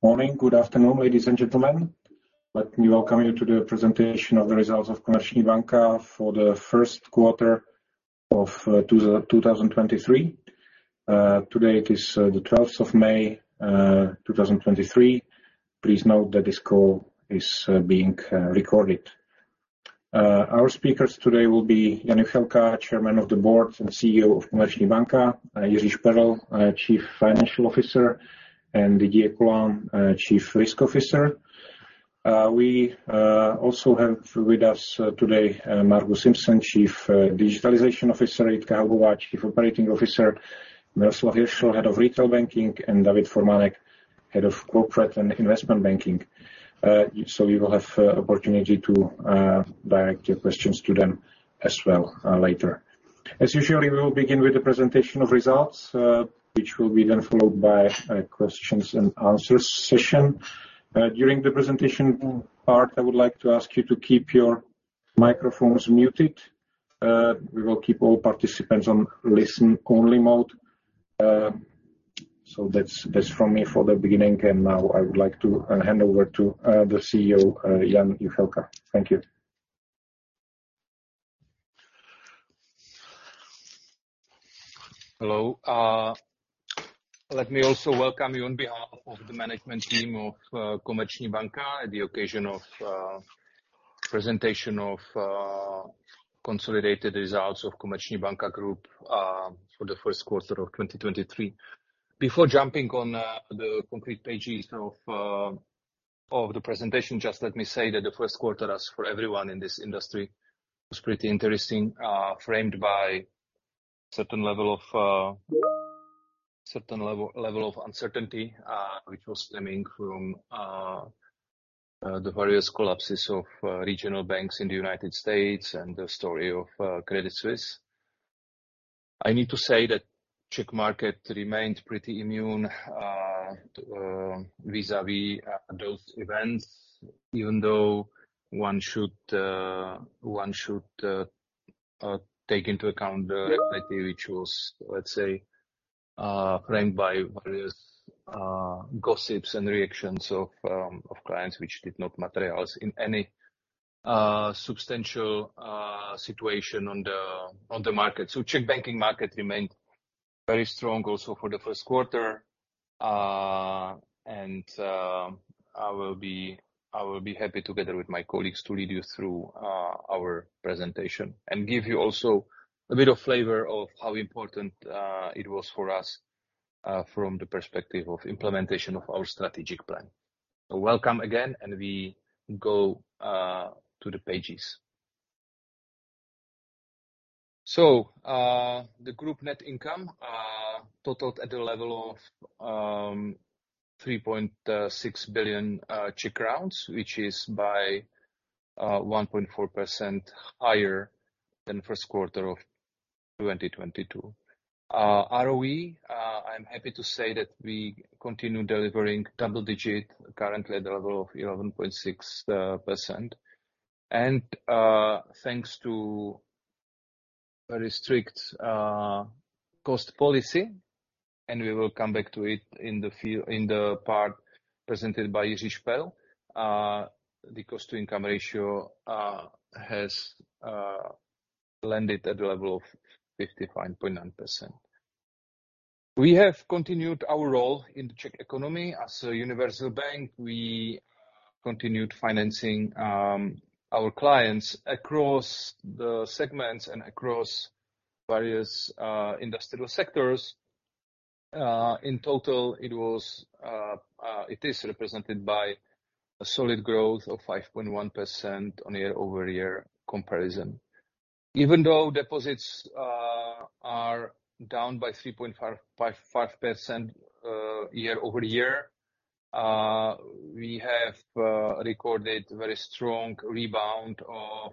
Morning. Good afternoon, ladies and gentlemen. Let me welcome you to the presentation of the results of Komerční banka for the first quarter of 2023. Today it is the 12th of May, 2023. Please note that this call is being recorded. Our speakers today will be Jan Juchelka, Chairman of the Board and Chief Executive Officer of Komerční banka, Jiří Šperl, our Chief Financial Officer, and Didier Colin, Chief Risk Officer. We also have with us today Margus Simson, Chief Digitalization Officer, Jitka Haubová, Chief Operating Officer, Miroslav Hiršl, Head of Retail Banking, and David Formánek, Head of Corporate and Investment Banking. You will have opportunity to direct your questions to them as well later. As usually, we will begin with the presentation of results, which will be then followed by a questions and answers session. During the presentation part, I would like to ask you to keep your microphones muted. We will keep all participants on listen-only mode. That's from me for the beginning. Now I would like to hand over to the Chief Executive Officer, Jan Juchelka. Thank you. Hello. Let me also welcome you on behalf of the management team of Komerční banka at the occasion of presentation of consolidated results of Komerční banka Group for the first quarter of 2023. Before jumping on the concrete pages of the presentation, just let me say that the first quarter as for everyone in this industry was pretty interesting, framed by certain level of uncertainty, which was stemming from the various collapses of regional banks in the United States and the story of Credit Suisse. I need to say that Czech market remained pretty immune, vis-à-vis those events, even though one should take into account the activity which was, let's say, framed by various gossips and reactions of clients which did not materialize in any substantial situation on the market. Czech banking market remained very strong also for the first quarter. And I will be happy together with my colleagues to lead you through our presentation and give you also a bit of flavor of how important it was for us from the perspective of implementation of our strategic plan. Welcome again, and we go to the pages. The group net income totaled at the level of 3.6 billion, which is by 1.4% higher than first quarter of 2022. ROE, I'm happy to say that we continue delivering double digit currently at the level of 11.6%. Thanks to a very strict cost policy, and we will come back to it in the part presented by Jiří Šperl. The cost-to-income ratio has landed at the level of 55.9%. We have continued our role in the Czech economy. As a universal bank, we continued financing our clients across the segments and across various industrial sectors. In total, it was, it is represented by a solid growth of 5.1% on year-over-year comparison. Even though deposits are down by 3.5% year-over-year, we have recorded very strong rebound of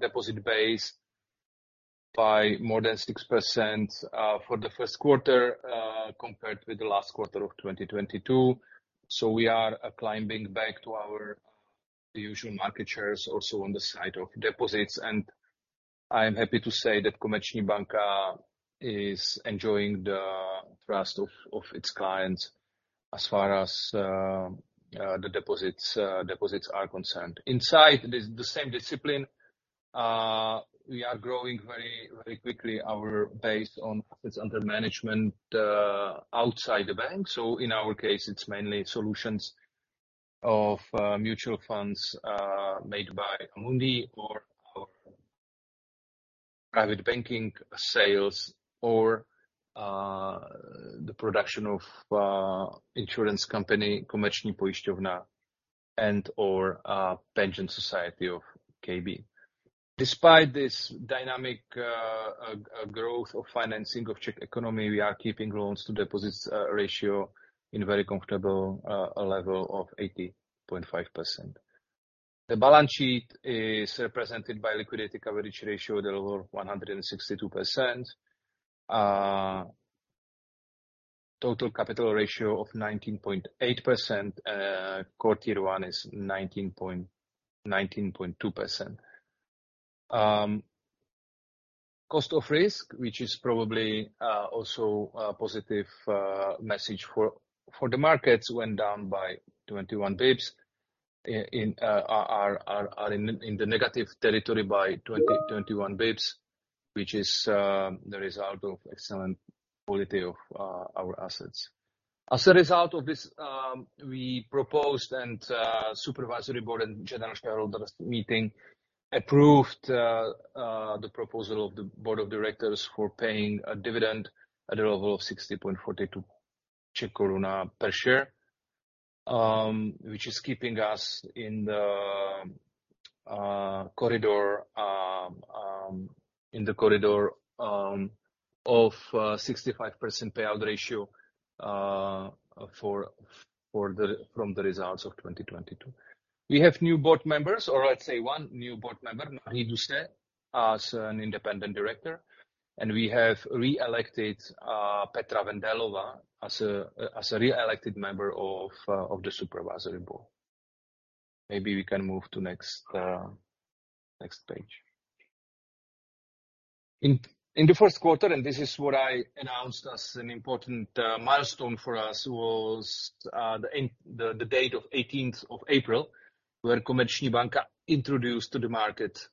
deposit base by more than 6% for the first quarter compared with the last quarter of 2022. We are climbing back to our usual market shares also on the side of deposits. I am happy to say that Komerční banka is enjoying the trust of its clients as far as the deposits are concerned. Inside this, the same discipline, we are growing very, very quickly our base on assets under management outside the bank. In our case it's mainly solutions of mutual funds made by Amundi or private banking sales or the production of insurance company Komerční pojišťovna and/or pension society of KB. Despite this dynamic growth of financing of Czech economy, we are keeping loans to deposits ratio in very comfortable level of 80.5%. The balance sheet is represented by liquidity coverage ratio at a level of 162%. Total capital ratio of 19.8%. Core Tier 1 is 19.2%. Cost of risk, which is probably also a positive message for the markets, went down by 21 basis points in the negative territory by 21 basis points, which is the result of excellent quality of our assets. As a result of this, we proposed and supervisory board and general shareholders meeting approved the proposal of the board of directors for paying a dividend at a level of 60.42 Czech koruna per share, which is keeping us in the corridor of 65% payout ratio from the results of 2022. We have new board members or let's say one new board member, Marie Doucet, as an independent director, and we have re-elected Petra Wendelová as a re-elected member of the supervisory board. Maybe we can move to next page. In the first quarter, this is what I announced as an important milestone for us was the date of eighteenth of April, where Komerční banka introduced to the market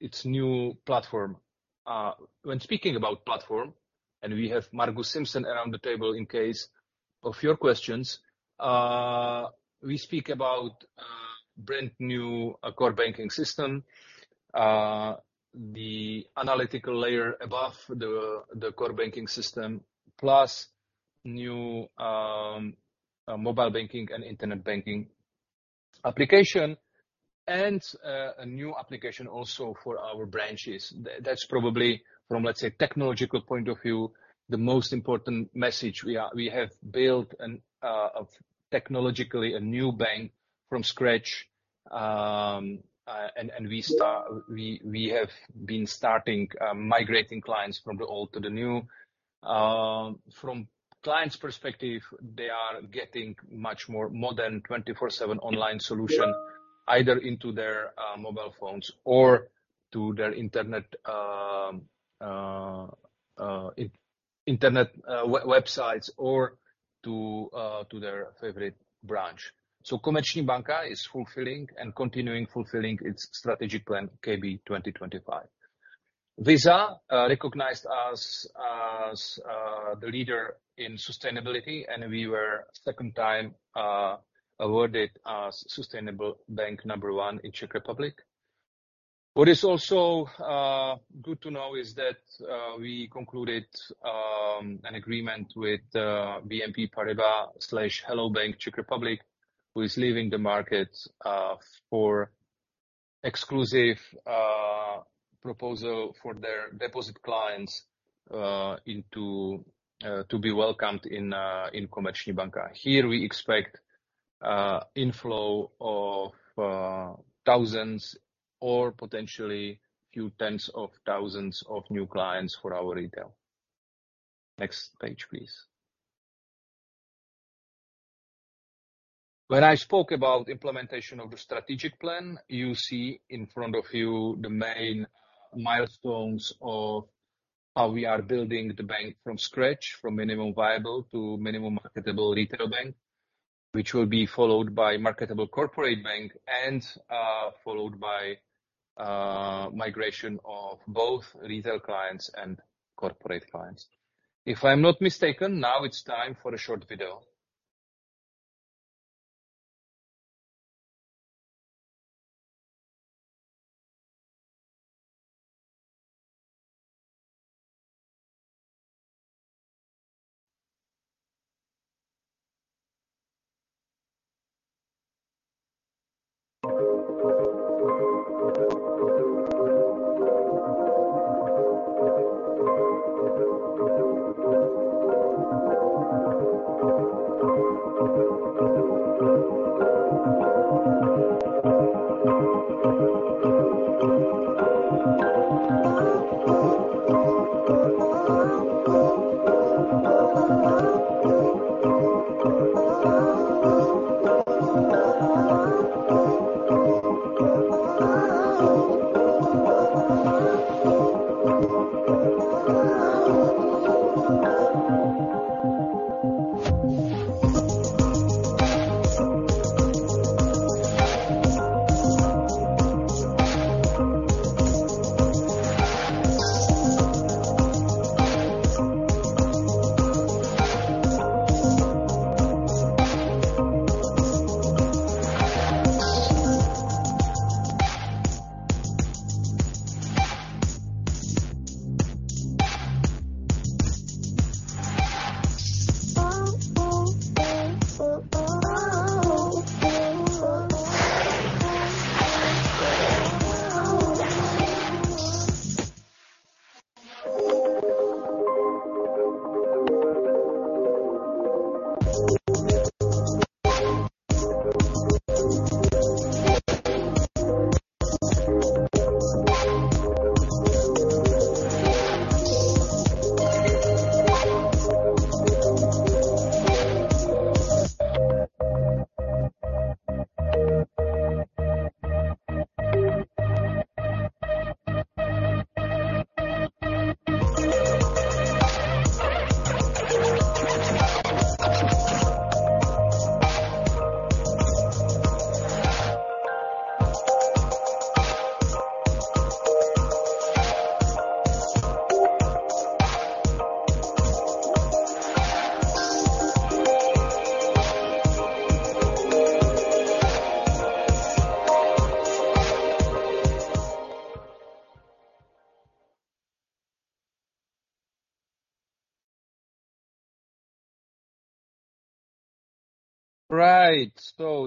its new platform. When speaking about platform, and we have Margus Simson around the table in case of your questions, we speak about brand new core banking system, the analytical layer above the core banking system, plus new mobile banking and internet banking application, and a new application also for our branches. That's probably from, let's say, technological point of view, the most important message. We have built a technologically new bank from scratch, and we have been starting migrating clients from the old to the new. From clients' perspective, they are getting much more modern 24/7 online solution, either into their mobile phones or to their internet websites or to their favorite branch. Komerční banka is fulfilling and continuing fulfilling its strategic plan KB Change 2025. Visa recognized us as the leader in sustainability, and we were second time awarded as sustainable bank number one in Czech Republic. What is also good to know is that we concluded an agreement with BNP Paribas/Hello bank! Czech Republic, who is leaving the market, for exclusive proposal for their deposit clients, to be welcomed in Komerční banka. Here we expect inflow of thousands or potentially few tens of thousands of new clients for our retail. Next page, please. When I spoke about implementation of the strategic plan, you see in front of you the main milestones of how we are building the bank from scratch, from minimum viable to minimum marketable retail bank, which will be followed by marketable corporate bank and followed by migration of both retail clients and corporate clients. If I'm not mistaken, now it's time for a short video.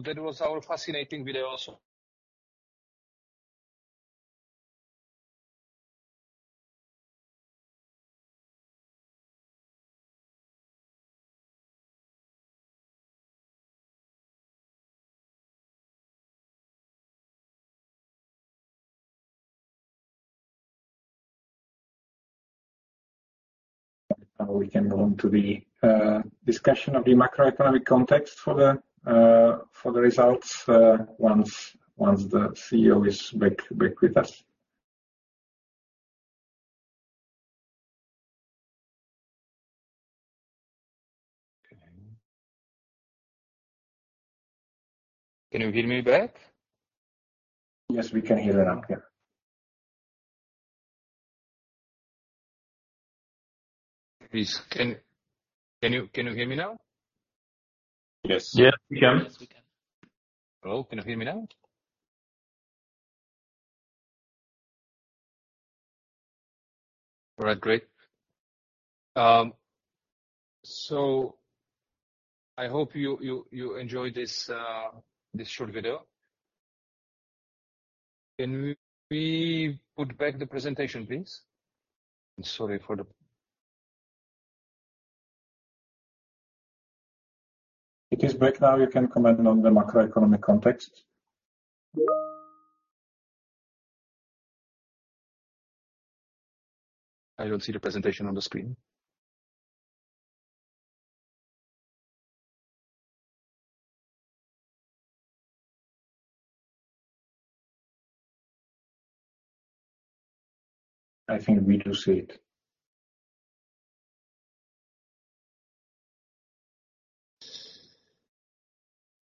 Right. That was our fascinating video also. Now we can move on to the discussion of the macroeconomic context for the results once the Chief Executive Officer is back with us. Can you hear me back? Yes, we can hear you now. Yeah. Please. Can you hear me now? Yes. Yes, we can. Hello. Can you hear me now? All right, great. I hope you enjoyed this short video. Can we put back the presentation, please? I'm sorry for the. It is back now. You can comment on the macroeconomic context. I don't see the presentation on the screen. I think we do see it.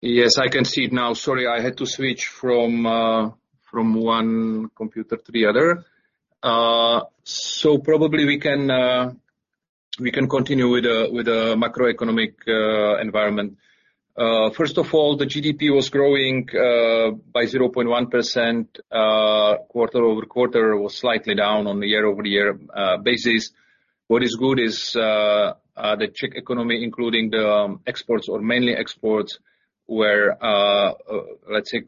Yes, I can see it now. Sorry, I had to switch from one computer to the other. Probably we can continue with the macroeconomic environment. First of all, the GDP was growing by 0.1% quarter-over-quarter. It was slightly down on the year-over-year basis. What is good is the Czech economy, including the exports or mainly exports, were, let's say,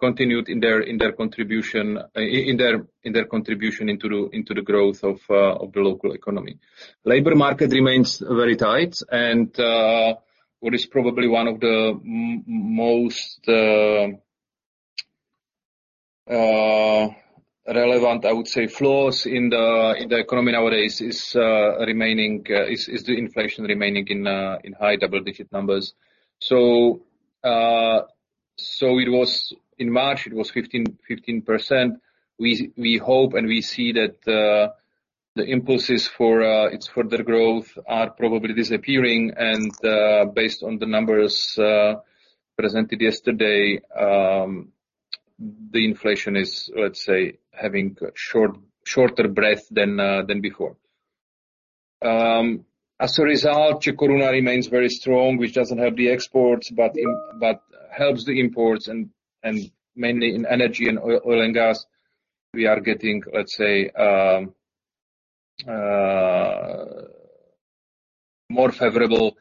continued in their contribution into the growth of the local economy. Labor market remains very tight. What is probably one of the most relevant, I would say, flaws in the economy nowadays is remaining, is the inflation remaining in high double-digit numbers. It was in March, it was 15%. We hope and we see that the impulses for its further growth are probably disappearing. Based on the numbers presented yesterday, the inflation is, let's say, having short-shorter breath than before. As a result, Czech koruna remains very strong, which doesn't help the exports, but helps the imports, and mainly in energy and oil and gas, we are getting, let's say, more favorable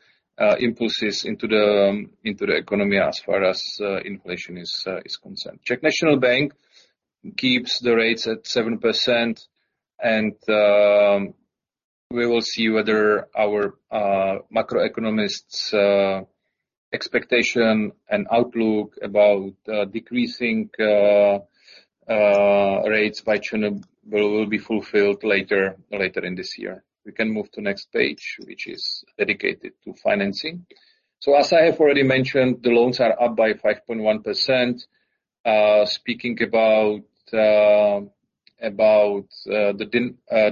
impulses into the economy as far as inflation is concerned. Czech National Bank keeps the rates at 7%, we will see whether our macroeconomists' expectation and outlook about decreasing rates by June will be fulfilled later in this year. We can move to next page, which is dedicated to financing. As I have already mentioned, the loans are up by 5.1%. Speaking about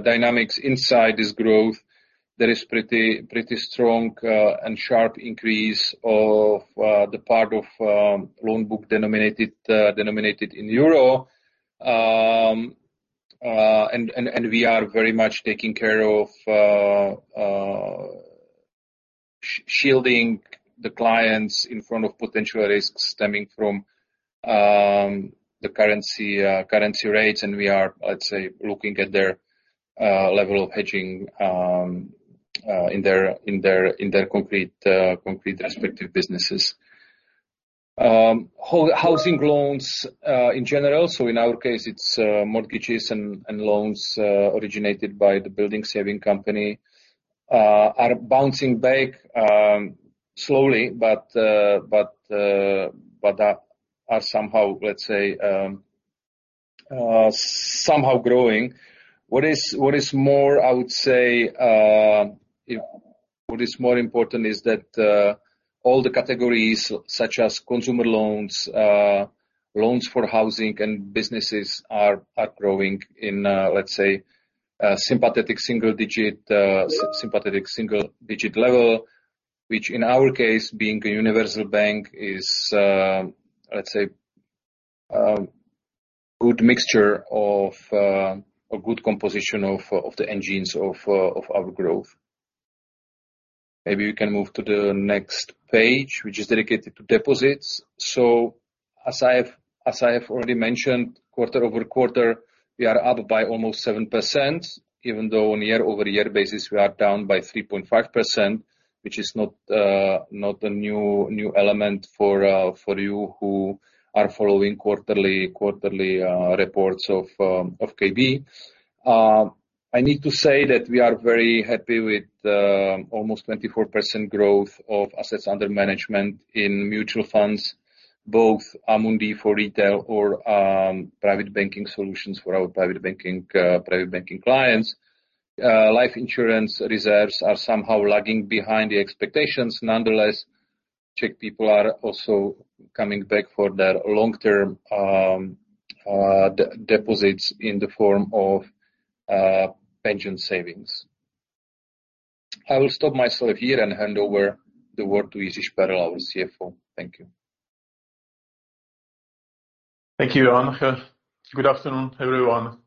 dynamics inside this growth, there is pretty strong and sharp increase of the part of loan book denominated in EUR. We are very much taking care of shielding the clients in front of potential risks stemming from the currency rates. We are, let's say, looking at their level of hedging in their concrete respective businesses. Housing loans, in general, so in our case it's mortgages and loans originated by the building saving company, are bouncing back, slowly, but are somehow, let's say, somehow growing. What is more, I would say, what is more important is that all the categories, such as consumer loans for housing and businesses are growing in, let's say, a sympathetic single digit, sympathetic single digit level. Which in our case, being a universal bank, is, let's say, a good mixture of a good composition of the engines of our growth. Maybe we can move to the next page, which is dedicated to deposits. As I have already mentioned, quarter-over-quarter, we are up by almost 7%, even though on year-over-year basis we are down by 3.5%, which is not a new element for you who are following quarterly reports of KB. I need to say that we are very happy with the almost 24% growth of assets under management in mutual funds, both Amundi for retail or private banking solutions for our private banking clients. Life insurance reserves are somehow lagging behind the expectations. Nonetheless, Czech people are also coming back for their long-term deposits in the form of pension savings. I will stop myself here and hand over the word to Jiří Šperl, our Chief Financial Officer. Thank you. Thank you, Jan. Good afternoon, everyone.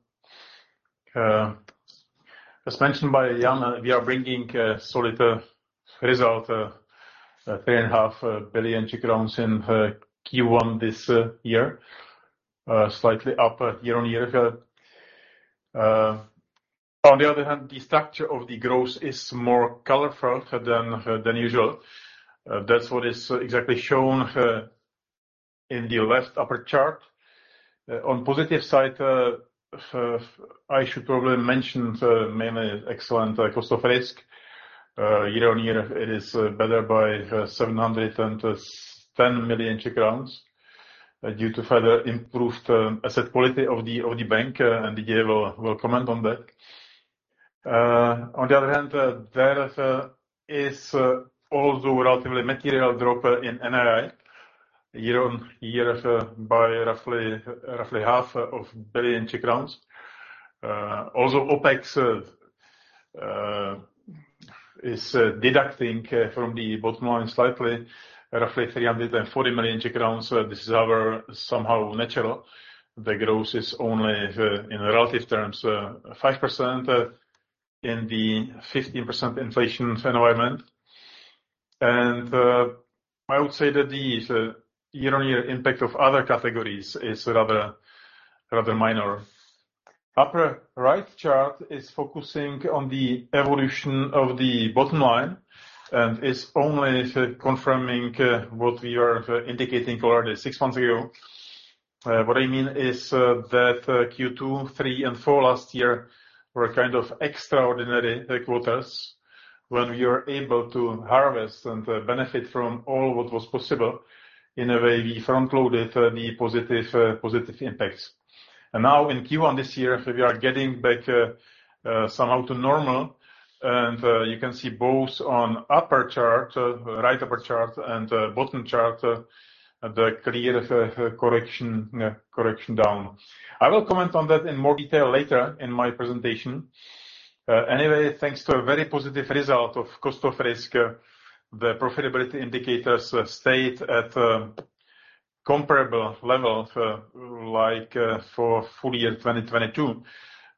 As mentioned by Jan, we are bringing a solid result, 3.5 billion in Q1 this year. Slightly up year-over-year. On the other hand, the structure of the growth is more colorful than usual. That's what is exactly shown in the left upper chart. On positive side, I should probably mention the mainly excellent cost of risk. Year-over-year, it is better by 710 million due to further improved asset quality of the bank, and the team will comment on that. On the other hand, there is also relatively material drop in NII year-over-year by roughly 500 billion. Also, OpEx is deducting from the bottom line slightly, roughly 340 million Czech crowns. This is our somehow natural. The growth is only in relative terms, 5%, in the 15% inflation environment. I would say that the year-on-year impact of other categories is rather minor. Upper right chart is focusing on the evolution of the bottom line, it's only confirming what we are indicating already six months ago. What I mean is that Q2, Q3, and Q4 last year were kind of extraordinary quarters, when we are able to harvest and benefit from all what was possible. In a way, we front-loaded the positive impacts. Now in Q1 this year, we are getting back somehow to normal. You can see both on upper chart, right upper chart and bottom chart, the clear correction down. I will comment on that in more detail later in my presentation. Thanks to a very positive result of cost of risk, the profitability indicators stayed at comparable levels like for full year 2022.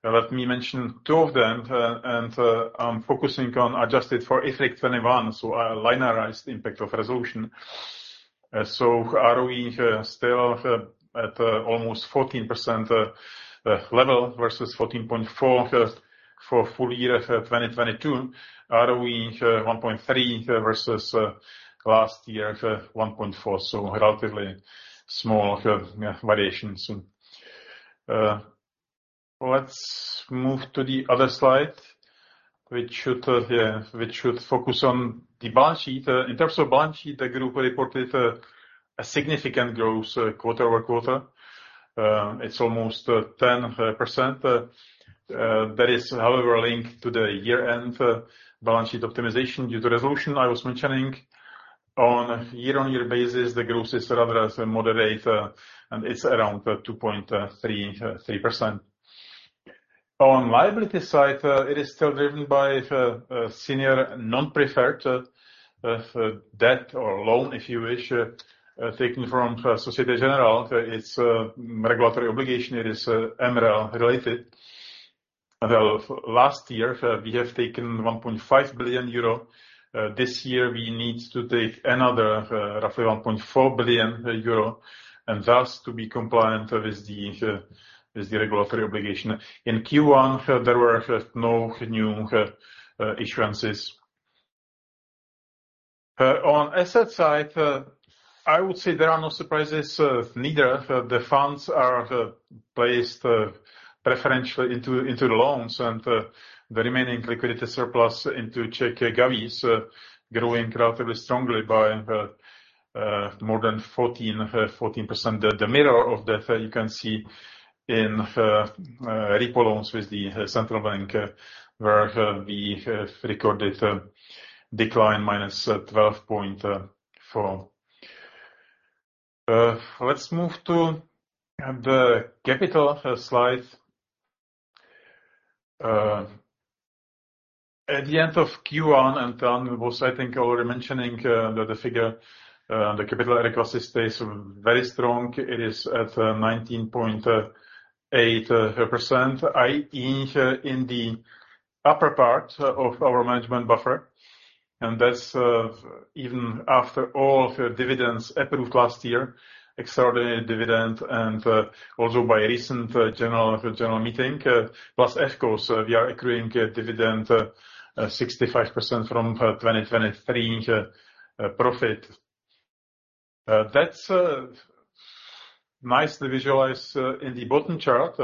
Let me mention two of them, and I'm focusing on adjusted for IFRIC 21, so a linearized impact of resolution. ROE still at almost 14% level versus 14.4 for full year 2022. ROE 1.3 versus last year 1.4, relatively small variations. Let's move to the other slide, which should focus on the balance sheet. In terms of balance sheet, the group reported a significant growth quarter-over-quarter. It's almost 10%. That is however linked to the year-end balance sheet optimization due to resolution I was mentioning. On year-over-year basis, the growth is rather moderate, and it's around 2.33%. On liability side, it is still driven by senior non-preferred debt or loan, if you wish, taken from Société Générale. It's a regulatory obligation. It is MREL related. Last year, we have taken 1.5 billion euro. This year we need to take another roughly 1.4 billion euro, and thus to be compliant with the regulatory obligation. In Q1, there were no new issuances. On asset side, I would say there are no surprises. Neither the funds are placed preferentially into the loans and the remaining liquidity surplus into Czech govies, growing relatively strongly by more than 14%. The middle of that you can see in repo loans with the central bank, where we have recorded a decline -12.4%. Let's move to the capital slide. At the end of Q1, and then was I think already mentioning that the figure, the capital adequacy stays very strong. It is at 19.8%, i.e. in the upper part of our management buffer. That's even after all the dividends approved last year, extraordinary dividend and also by recent general meeting. Plus of course, we are accruing a dividend 65% from 2023's profit. That's nicely visualized in the bottom chart.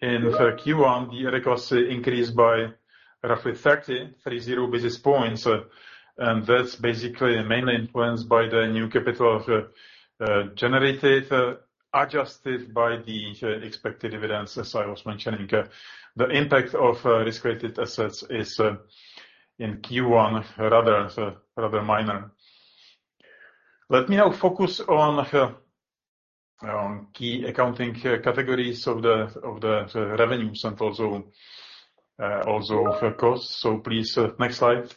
In Q1, the adequacy increased by roughly 30 basis points. That's basically mainly influenced by the new capital of generated, adjusted by the expected dividends, as I was mentioning. The impact of risk-weighted assets is in Q1, rather minor. Let me now focus on key accounting categories of the revenues and also of course. Please next slide.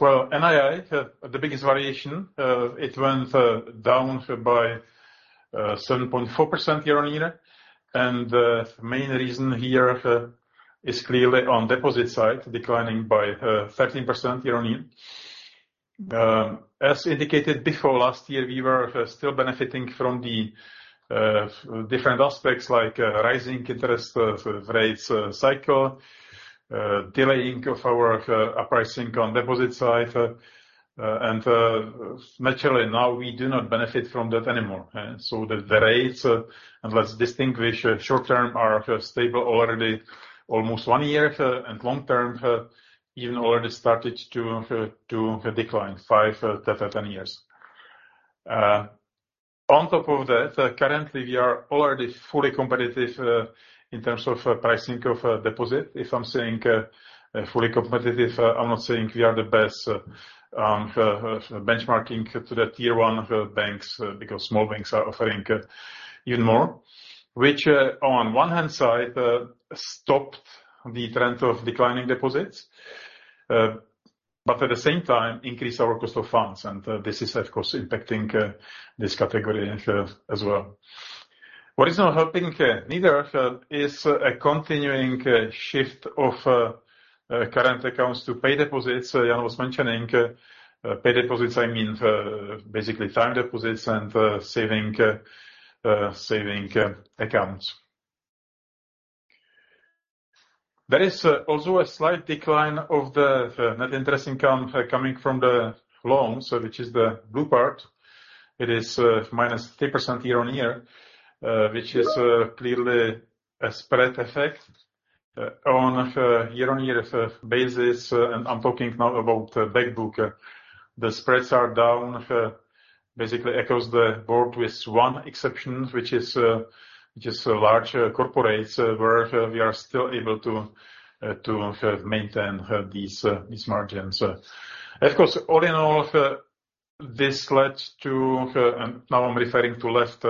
Well, NII, the biggest variation, it went down by 7.4% year-on-year. The main reason here for is clearly on deposit side, declining by 13% year-on-year. As indicated before last year, we were still benefiting from the different aspects like rising interest rates cycle, delaying of our pricing on deposit side. Naturally now we do not benefit from that anymore. The rates, and let's distinguish short-term, are stable already almost one year, and long-term, even already started to decline five to 10 years. On top of that, currently we are already fully competitive in terms of pricing of deposit. If I'm saying fully competitive, I'm not saying we are the best on benchmarking to the tier one banks, because small banks are offering even more. Which on one hand side, stopped the trend of declining deposits, but at the same time increased our cost of funds. This is, of course, impacting this category as well. What is not helping either is a continuing shift of current accounts to pay deposits. Jan was mentioning pay deposits, I mean, basically time deposits and saving accounts. There is also a slight decline of the net interest income coming from the loans, which is the blue part. It is -3% year-on-year, which is clearly a spread effect on a year-on-year basis. I'm talking now about the back book. The spreads are down basically across the board with one exception, which is large corporates, where we are still able to maintain these margins. Of course, all in all, this led to, and now I'm referring to left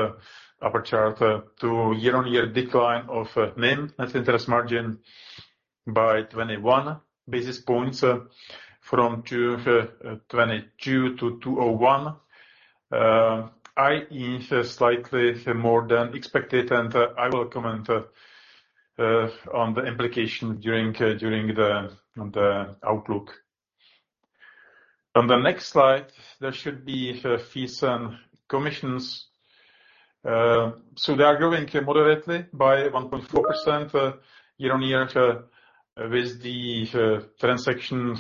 upper chart, to year-on-year decline of NIM, net interest margin, by 21 basis points from 2.22 to 2.01. I.e. slightly more than expected, and I will comment on the implication during the outlook. On the next slide, there should be fees and commissions. They are growing moderately by 1.4% year-on-year with the transaction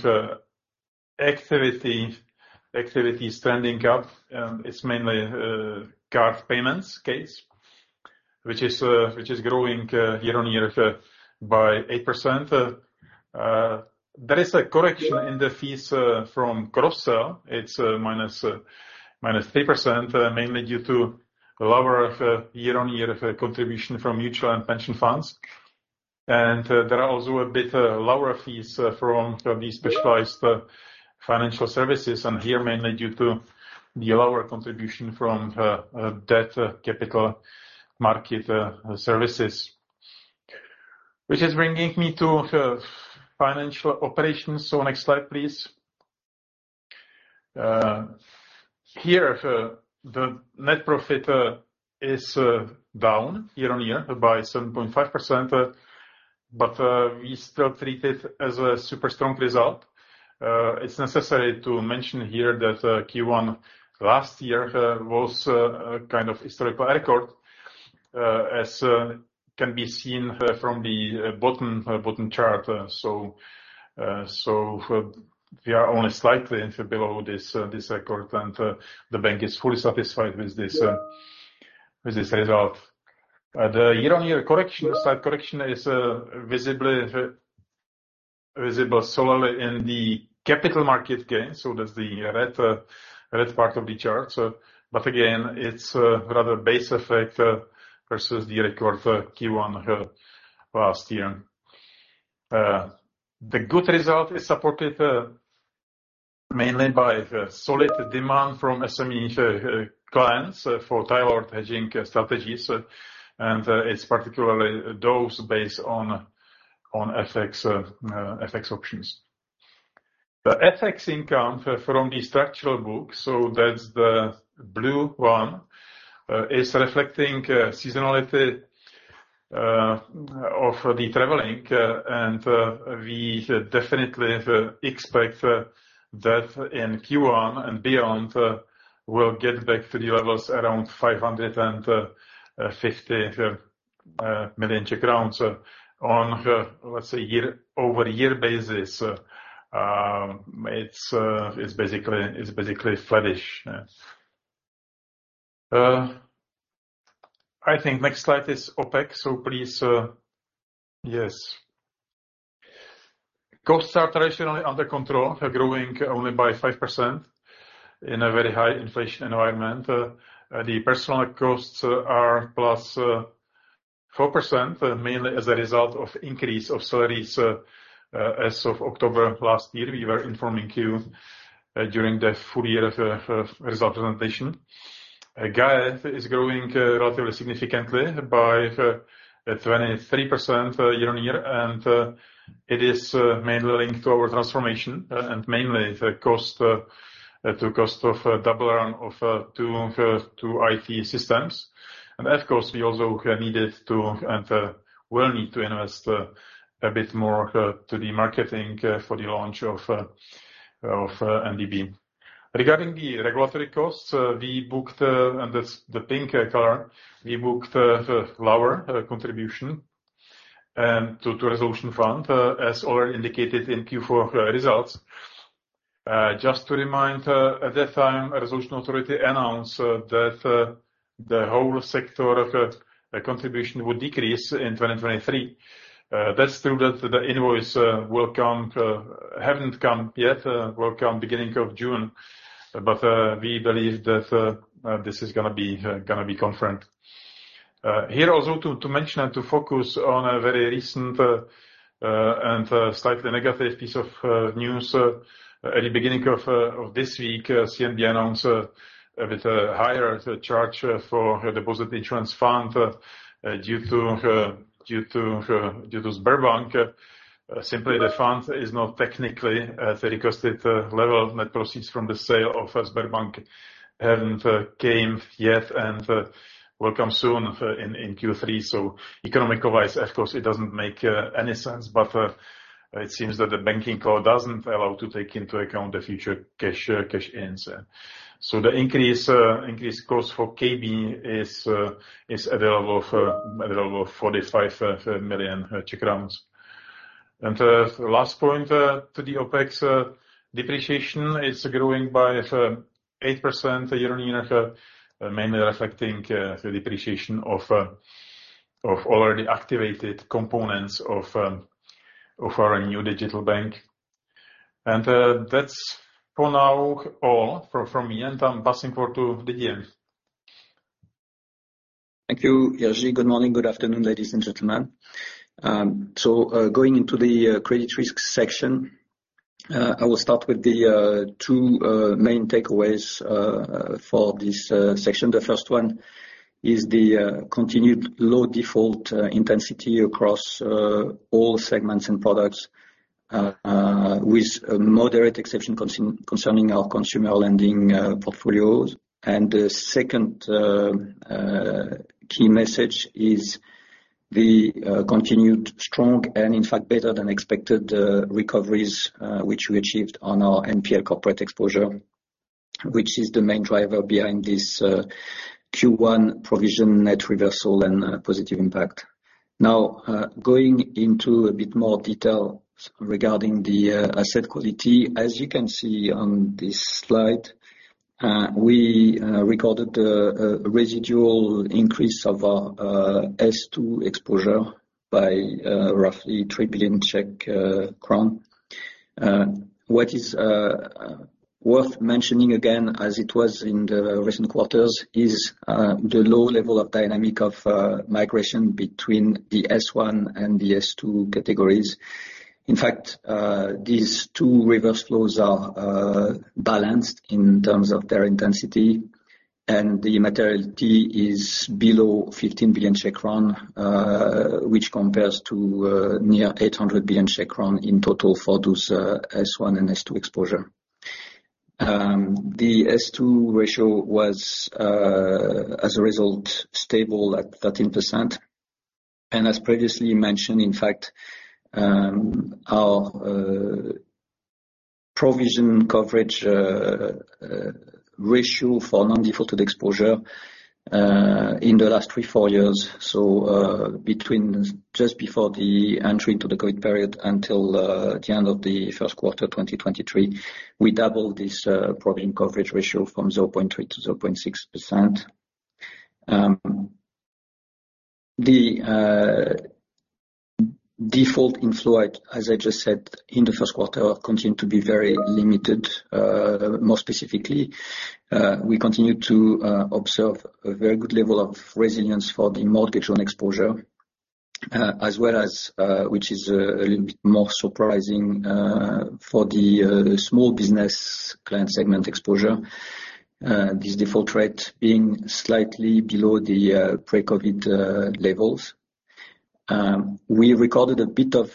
activity, activities trending up. It's mainly card payments case, which is growing year-on-year by 8%. There is a correction in the fees from gross. It's -3%, mainly due to lower year-on-year contribution from mutual and pension funds. There are also a bit lower fees from the specialized financial services, and here mainly due to the lower contribution from debt capital market services. Which is bringing me to financial operations. Next slide, please. Here, the net profit is down year-on-year by 7.5%, but we still treat it as a super strong result. It's necessary to mention here that Q1 last year was kind of historical record. As can be seen from the bottom chart, we are only slightly below this record, and the bank is fully satisfied with this result. Year-on-year correction, slight correction is visible solely in the capital market gain, that's the red part of the chart. Again, it's rather base effect versus the record for Q1 last year. The good result is supported mainly by the solid demand from SME clients for tailored hedging strategies, and it's particularly those based on FX options. The FX income from the structural book, that's the blue one, is reflecting seasonality of the traveling. We definitely expect that in Q1 and beyond, we'll get back to the levels around 550 million crowns. Let's say, year-over-year basis, it's basically flattish. I think next slide is OpEx, so please. Costs are traditionally under control, growing only by 5% in a very high inflation environment. The personal costs are plus 4%, mainly as a result of increase of salaries as of October last year. We were informing you during the full year of result presentation. Gaia is growing relatively significantly by 23% year-on-year, it is mainly linked to our transformation and mainly the cost of double run of two IT systems. Of course, we also needed to, and will need to invest a bit more to the marketing for the launch of NDB. Regarding the regulatory costs, we booked, and that's the pink color, we booked lower contribution to resolution fund, as already indicated in Q4 results. Just to remind, at that time, Resolution Authority announced that the whole sector of contribution would decrease in 2023. That's true that the invoice will come, haven't come yet, will come beginning of June. We believe that this is gonna be confirmed. Here also to mention and to focus on a very recent and slightly negative piece of news at the beginning of this week, ČNB announced a bit higher charge for Deposit Insurance Fund due to Sberbank. Simply the fund is not technically at the requested level. Net proceeds from the sale of Sberbank haven't came yet and will come soon in Q3. Economic-wise, of course, it doesn't make any sense, but it seems that the banking code doesn't allow to take into account the future cash cash ins. The increase costs for KB is available for 45 million. Last point to the OpEx depreciation, it's growing by 8% year-on-year, mainly reflecting the depreciation of already activated components of our New Digital Bank. That's for now all from me, and I'm passing floor to Didier. Thank you, Jiří. Good morning, good afternoon, ladies and gentlemen. Going into the credit risk section, I will start with the two main takeaways for this section. The first one is the continued low default intensity across all segments and products with a moderate exception concerning our consumer lending portfolios. The second key message is the continued strong and in fact better than expected recoveries which we achieved on our NPL corporate exposure, which is the main driver behind this Q1 provision net reversal and positive impact. Going into a bit more detail regarding the asset quality. As you can see on this slide, we recorded a residual increase of our S2 exposure by roughly 3 billion Czech crown. What is worth mentioning again, as it was in the recent quarters, is the low level of dynamic of migration between the S1 and the S2 categories. In fact, these two reverse flows are balanced in terms of their intensity, and the materiality is below 15 billion, which compares to near 800 billion in total for those S1 and S2 exposure. The S2 ratio was, as a result, stable at 13%. As previously mentioned, in fact, our provision coverage ratio for non-defaulted exposure in the last three, four years, so between just before the entry into the COVID period until the end of the first quarter 2023, we doubled this provision coverage ratio from 0.3 to 0.6%. The default inflow, as I just said, in the first quarter continued to be very limited, more specifically. We continued to observe a very good level of resilience for the mortgage loan exposure, as well as, which is a little bit more surprising, for the small business client segment exposure, this default rate being slightly below the pre-COVID levels. We recorded a bit of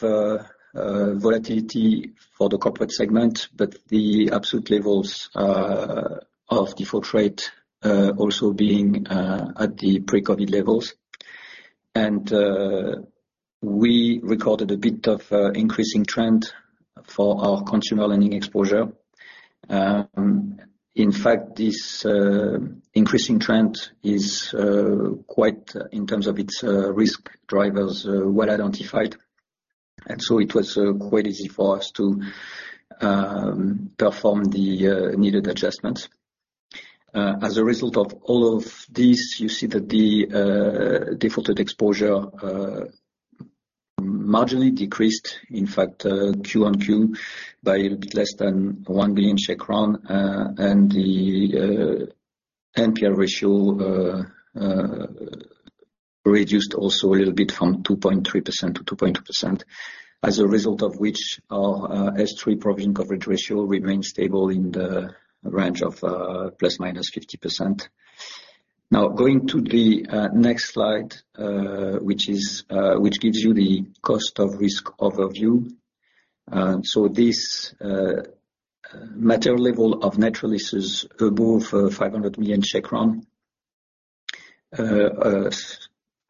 volatility for the corporate segment, but the absolute levels of default rate also being at the pre-COVID levels. We recorded a bit of increasing trend for our consumer lending exposure. In fact, this increasing trend is quite, in terms of its risk drivers, well-identified. It was quite easy for us to perform the needed adjustments. As a result of all of this, you see that the defaulted exposure marginally decreased, in fact, Q-on-Q by a little bit less than 1 billion crown, and the NPL ratio reduced also a little bit from 2.3% to 2.2%, as a result of which our S3 provision coverage ratio remains stable in the range of ±50%. Going to the next slide, which is which gives you the cost of risk overview. This material level of natural losses above 500 million,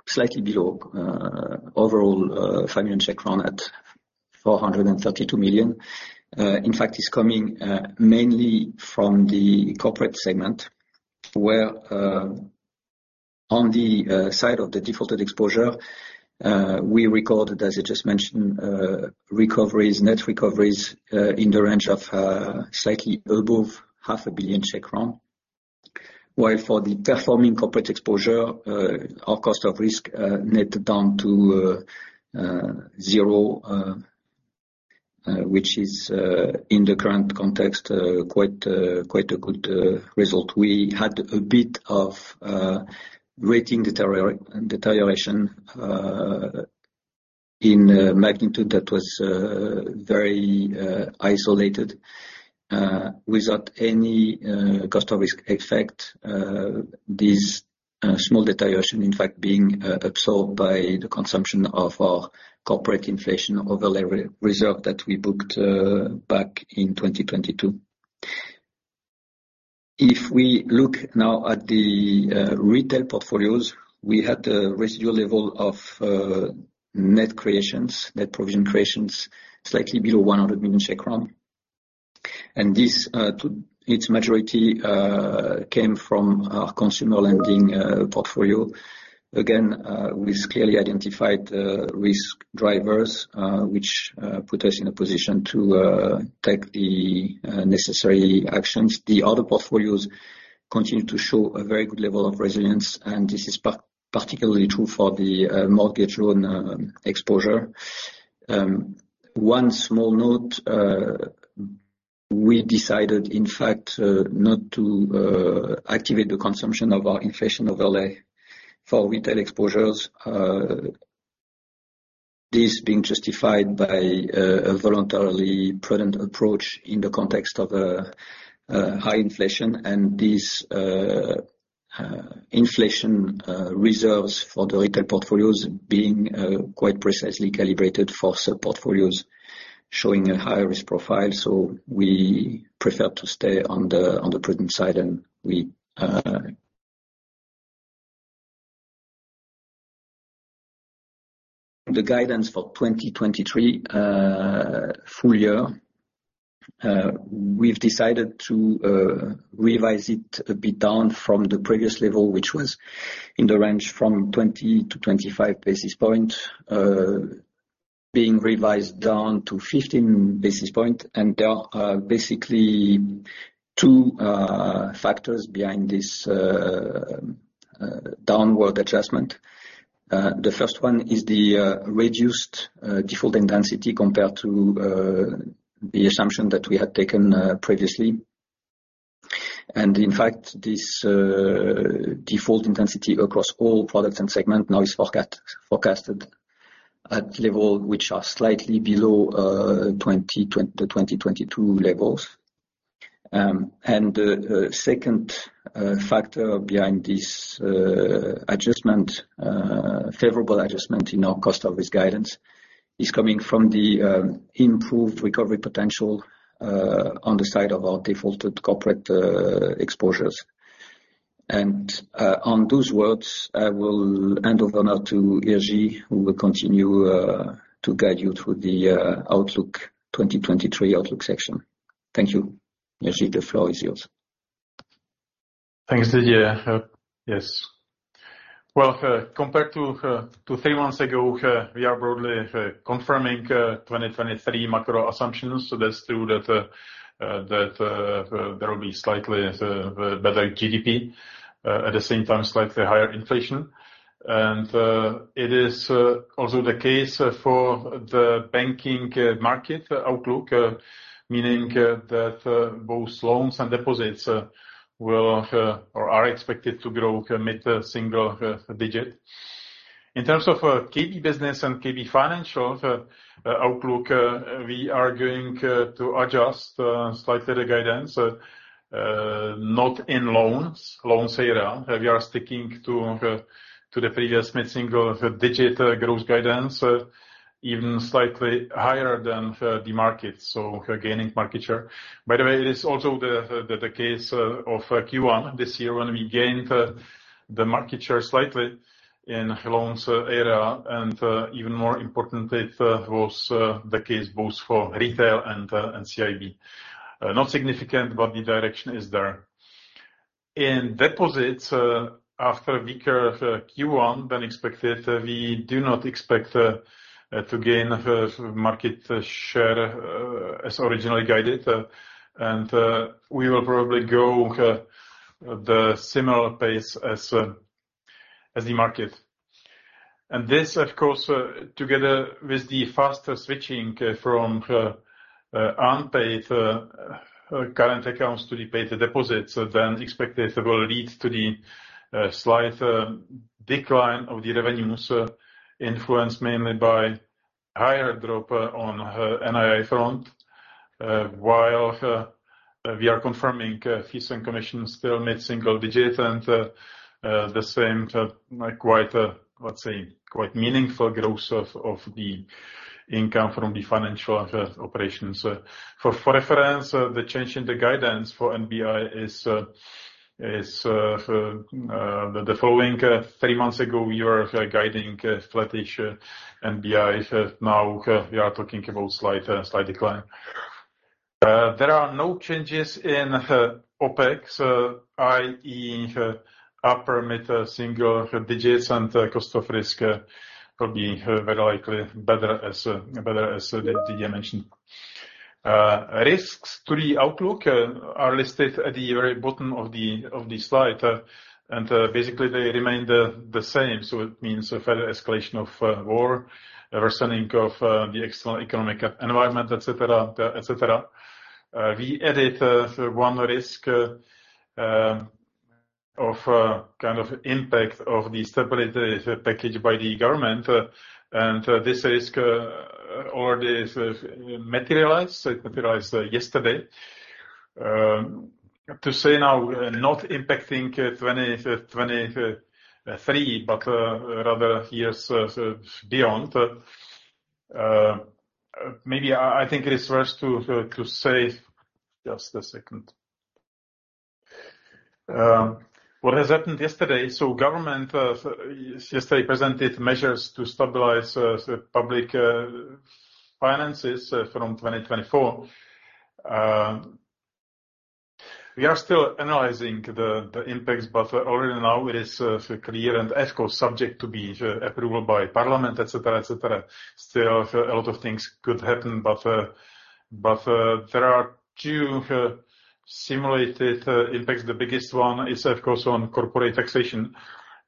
slightly below overall 5 million at 432 million, in fact is coming mainly from the corporate segment, where, on the side of the defaulted exposure, we recorded, as I just mentioned, recoveries, net recoveries, in the range of slightly above half a billion Czech crown. While for the performing corporate exposure, our cost of risk net down to zero, which is in the current context quite a good result. We had a bit of rating deterioration in a magnitude that was very isolated, without any cost of risk effect, this small deterioration, in fact, being absorbed by the consumption of our corporate inflation overlay reserve that we booked back in 2022. If we look now at the retail portfolios, we had a residual level of net creations, net provision creations, slightly below 100 million. This to its majority came from our consumer lending portfolio. Again, with clearly identified risk drivers, which put us in a position to take the necessary actions. The other portfolios continue to show a very good level of resilience, and this is particularly true for the mortgage loan exposure. Decided, in fact, not to activate the consumption of our inflation overlay for retail exposures. This being justified by a voluntarily prudent approach in the context of high inflation and this inflation reserves for the retail portfolios being quite precisely calibrated for sub-portfolios showing a higher risk profile. We prefer to stay on the, on the prudent side, and The guidance for 2023 full year, we've decided to revise it a bit down from the previous level, which was in the range from 20-25 basis points, being revised down to 15 basis points. And there are basically two factors behind this downward adjustment The first one is the reduced default intensity compared to the assumption that we had taken previously. In fact, this default intensity across all products and segments now is forecasted at level which are slightly below 2020, 2022 levels. The second factor behind this adjustment, favorable adjustment in our cost of risk guidance is coming from the improved recovery potential on the side of our defaulted corporate exposures. On those words, I will hand over now to Jiří, who will continue to guide you through the outlook, 2023 outlook section. Thank you. Jiří, the floor is yours. Thanks, Didier. Yes. Well, compared to three months ago, we are broadly confirming 2023 macro assumptions. That's true that there will be slightly better GDP, at the same time, slightly higher inflation. It is also the case for the banking market outlook, meaning that both loans and deposits will or are expected to grow mid-single digit. In terms of KB business and KB Financial outlook, we are going to adjust slightly the guidance, not in loans area. We are sticking to the previous mid-single digit growth guidance, even slightly higher than the market, so gaining market share. By the way, it is also the case of Q1 this year when we gained the market share slightly in loans area. Even more importantly, it was the case both for retail and CIB. Not significant, but the direction is there. In deposits, after weaker Q1 than expected, we do not expect to gain market share as originally guided. We will probably go the similar pace as the market. This, of course, together with the faster switching from unpaid current accounts to the paid deposits than expected, will lead to the slight decline of the revenues, influenced mainly by higher drop on NII front, while we are confirming fees and commissions still mid-single digit. The same, quite, let's say, quite meaningful growth of the income from the financial operations. For reference, the change in the guidance for NBI is the following. Three months ago, we were guiding flat-ish NBI. Now we are talking about slight decline. There are no changes in OpEx, i.e., upper mid-single digits, and cost of risk will be very likely better as Didier mentioned. Risks to the outlook are listed at the very bottom of the slide. Basically, they remain the same. It means a further escalation of war, worsening of the external economic environment, etc., etc. We added one risk of a kind of impact of the stability package by the government. This risk already is materialized. It materialized yesterday. To say now, not impacting 2023, but rather years beyond. Maybe I think it is worth to say. Just a second. What has happened yesterday, government yesterday presented measures to stabilize public finances from 2024. We are still analyzing the impacts, already now it is clear and, of course, subject to be approved by parliament, et cetera, et cetera. Still a lot of things could happen. There are two simulated impacts. The biggest one is, of course, on corporate taxation.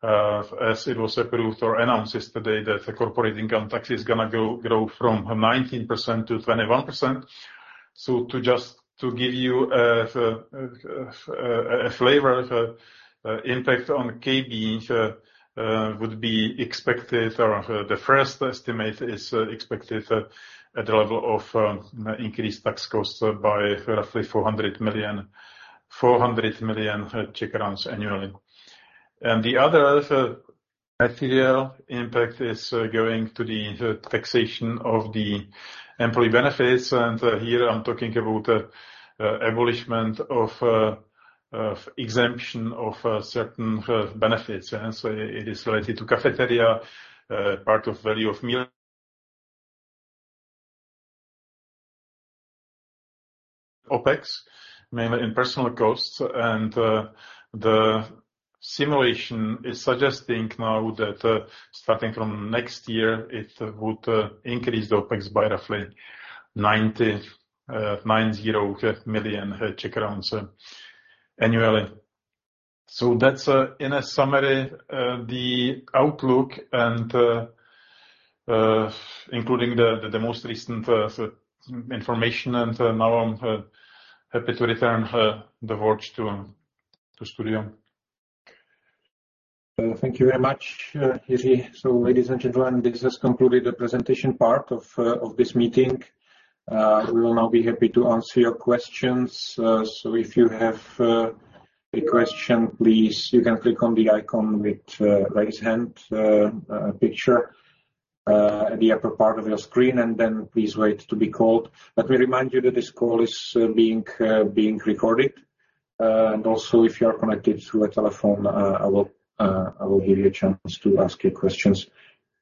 As it was approved or announced yesterday that the corporate income tax is gonna grow from 19% to 21%. To just to give you a flavor, impact on KB would be expected or the first estimate is expected at the level of increased tax costs by roughly 400 million annually. The other material impact is going to the taxation of the employee benefits. Here I'm talking about abolishment of exemption of certain benefits. It is related to cafeteria, part of value of meal. OpEx, mainly in personal costs. The simulation is suggesting now that starting from next year, it would increase OpEx by roughly CZK 90 million annually. That's in a summary, the outlook and including the most recent information. Now I'm happy to return the watch to studio. Thank you very much, Jiří. Ladies and gentlemen, this has concluded the presentation part of this meeting. We will now be happy to answer your questions. If you have a question, please, you can click on the icon with raised hand picture. At the upper part of your screen, and then please wait to be called. Let me remind you that this call is being recorded. Also if you are connected through a telephone, I will give you a chance to ask your questions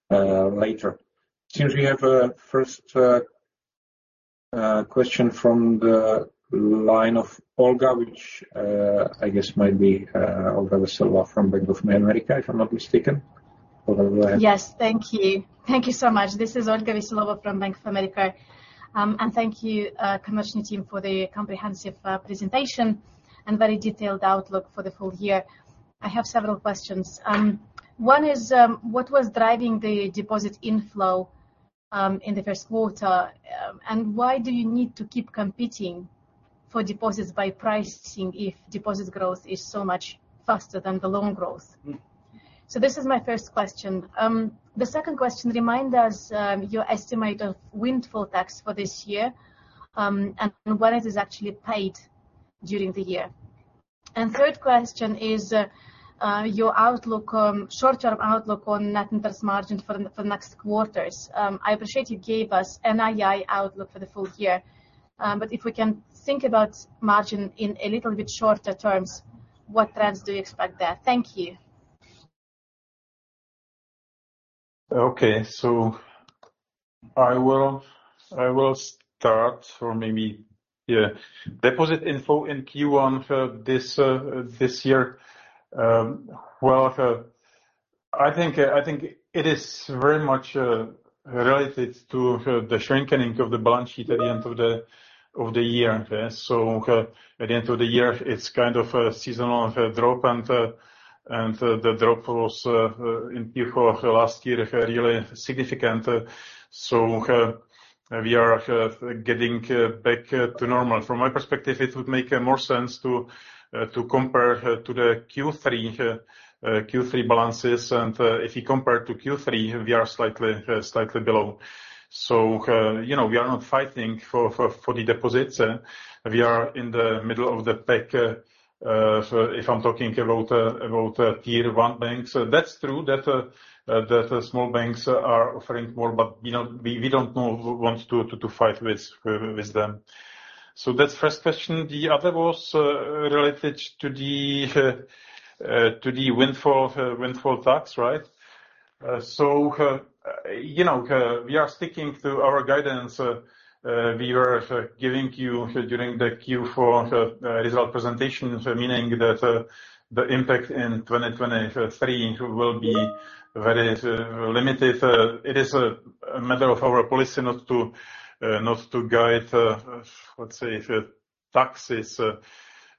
later. We have a first question from the line of Olga, which I guess might be Olga Veselova from Bank of America, if I'm not mistaken. Olga, go ahead. Yes. Thank you. Thank you so much. This is Olga Veselova from Bank of America. Thank you, commercial team for the comprehensive, presentation and very detailed outlook for the full year. I have several questions. One is, what was driving the deposit inflow, in the first quarter, and why do you need to keep competing for deposits by pricing if deposit growth is so much faster than the loan growth? This is my first question. The second question, remind us, your estimate of windfall tax for this year, and when it is actually paid during the year. Third question is, your outlook, short-term outlook on net interest margin for the, for the next quarters. I appreciate you gave us NII outlook for the full year, but if we can think about margin in a little bit shorter terms, what trends do you expect there? Thank you. Okay. I will start or maybe, yeah. Deposit info in Q1 for this year. Well, I think it is very much related to the shrinking of the balance sheet at the end of the year. At the end of the year, it's kind of a seasonal drop, and the drop was in Q4 of last year, really significant. We are getting back to normal. From my perspective, it would make more sense to compare to the Q3 balances. If you compare to Q3, we are slightly below. You know, we are not fighting for the deposits. We are in the middle of the pack, if I'm talking about tier one banks. That's true that small banks are offering more, you know, we don't want to fight with them. That's first question. The other was related to the windfall tax, right? You know, we are sticking to our guidance we were giving you during the Q4 result presentation, meaning that the impact in 2023 will be very limited. It is a matter of our policy not to guide, let's say, taxes.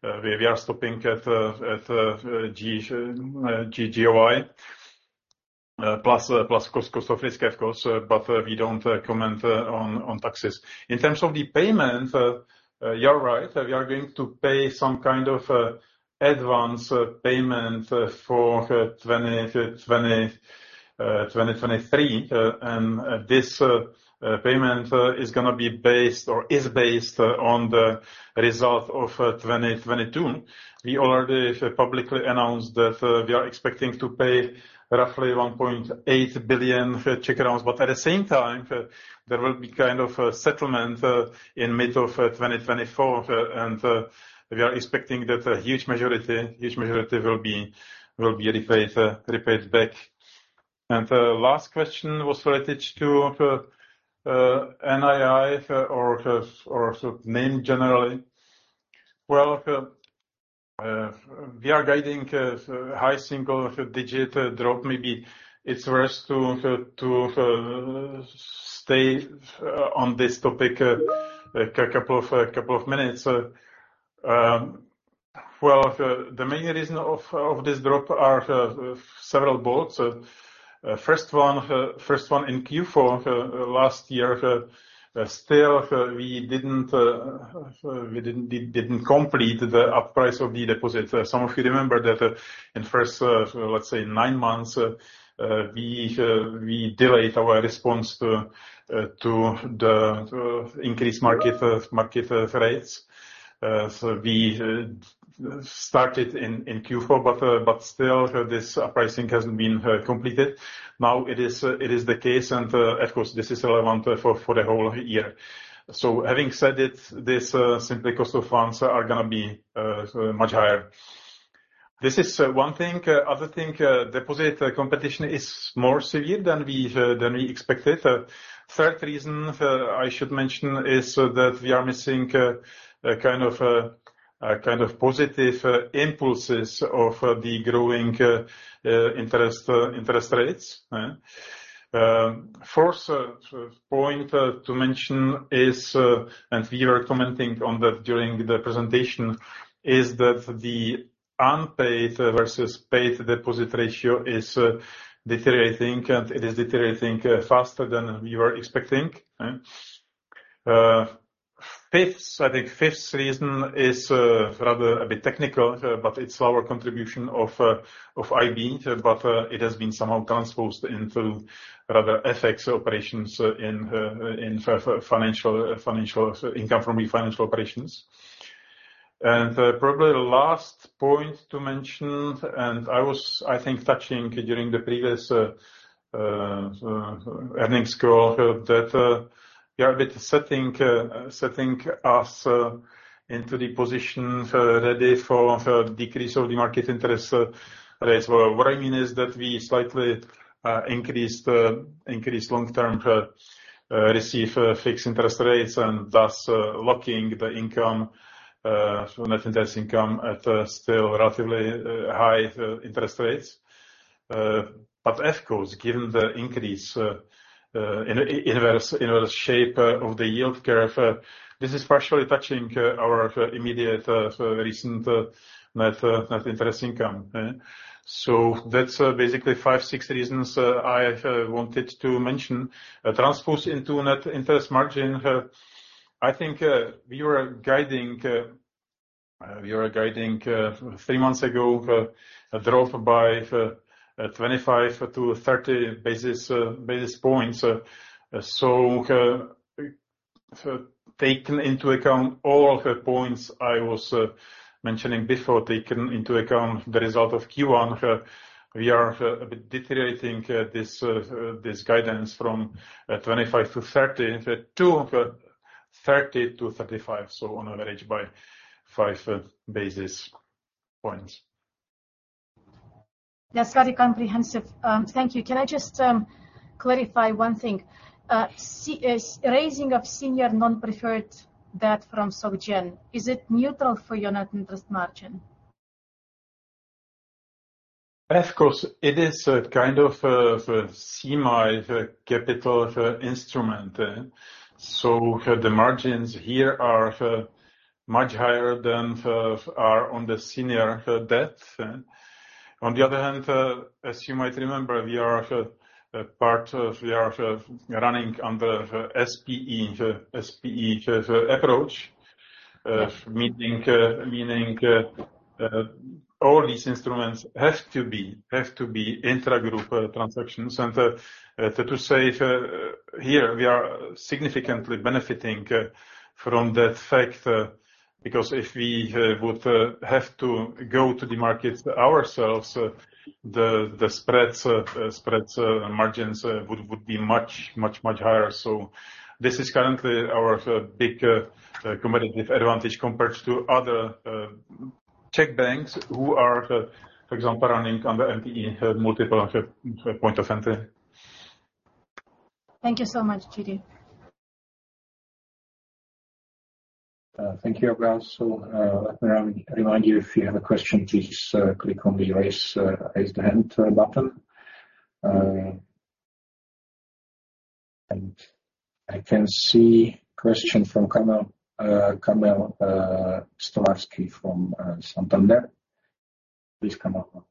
We are stopping at GOI plus cost of risk, of course, we don't comment on taxes. In terms of the payment, you're right. We are going to pay some kind of advance payment for 2023. This payment is gonna be based or is based on the result of 2022. We already publicly announced that we are expecting to pay roughly 1.8 billion. At the same time, there will be kind of a settlement in middle of 2024, we are expecting that a huge majority will be repaid back. The last question was related to NII or sort of NIM generally. Well, we are guiding high single-digit drop. Maybe it's worth to stay on this topic a couple of minutes. Well, the main reason of this drop are several boards. First one, first one in Q4, last year, still, we didn't complete the upprice of the deposit. Some of you remember that in first, let's say, nine months, we delayed our response to the increased market rates. We started in Q4, but still this pricing hasn't been completed. Now it is the case, and of course, this is relevant for the whole year. Having said it, this simply cost of funds are gonna be much higher. This is one thing. Other thing, deposit competition is more severe than we expected. Third reason, I should mention is that we are missing a kind of positive impulses of the growing interest rates. Fourth point to mention is, and we are commenting on that during the presentation, is that the unpaid versus paid deposit ratio is deteriorating, and it is deteriorating faster than we were expecting. Fifth, I think fifth reason is, rather a bit technical, but it's lower contribution of IB, but it has been somehow transposed into rather FX operations in financial income from refinance operations. Probably the last point to mention, and I was, I think, touching during the previous earnings call, that we are a bit setting us into the position ready for decrease of the market interest rates. What I mean is that we slightly increase long-term receive fixed interest rates and thus locking the income, so net interest income at still relatively high interest rates. Of course, given the increase in the shape of the yield curve, this is partially touching our immediate, recent net interest income. Basically five, six reasons I wanted to mention. Transposed into net interest margin, I think we were guiding, we were guiding three months ago, a drop by 25-30 basis points. taken into account all the points I was mentioning before, taken into account the result of Q1, we are a bit deteriorating this guidance from 25-30, to 30-35, on average by 5 basis points. Yes, very comprehensive. Thank you. Can I just clarify one thing? Raising of senior non-preferred debt from Of course, it is a kind of semi-capital instrument. The margins here are much higher than are on the senior debt. On the other hand, as you might remember, we are running under SPE approach, meaning, all these instruments have to be intragroup transactions. To say, here we are significantly benefiting from that fact, because if we would have to go to the market ourselves, the spreads, margins would be much, much, much higher. This is currently our big competitive advantage compared to other Czech banks who are, for example, running under MPE, multiple point of entry. Thank you so much, Jiří. Thank you, Olga. May I remind you, if you have a question, please click on the raise the hand button. I can see question from Kamil Stawski from Santander. Please, Kamil.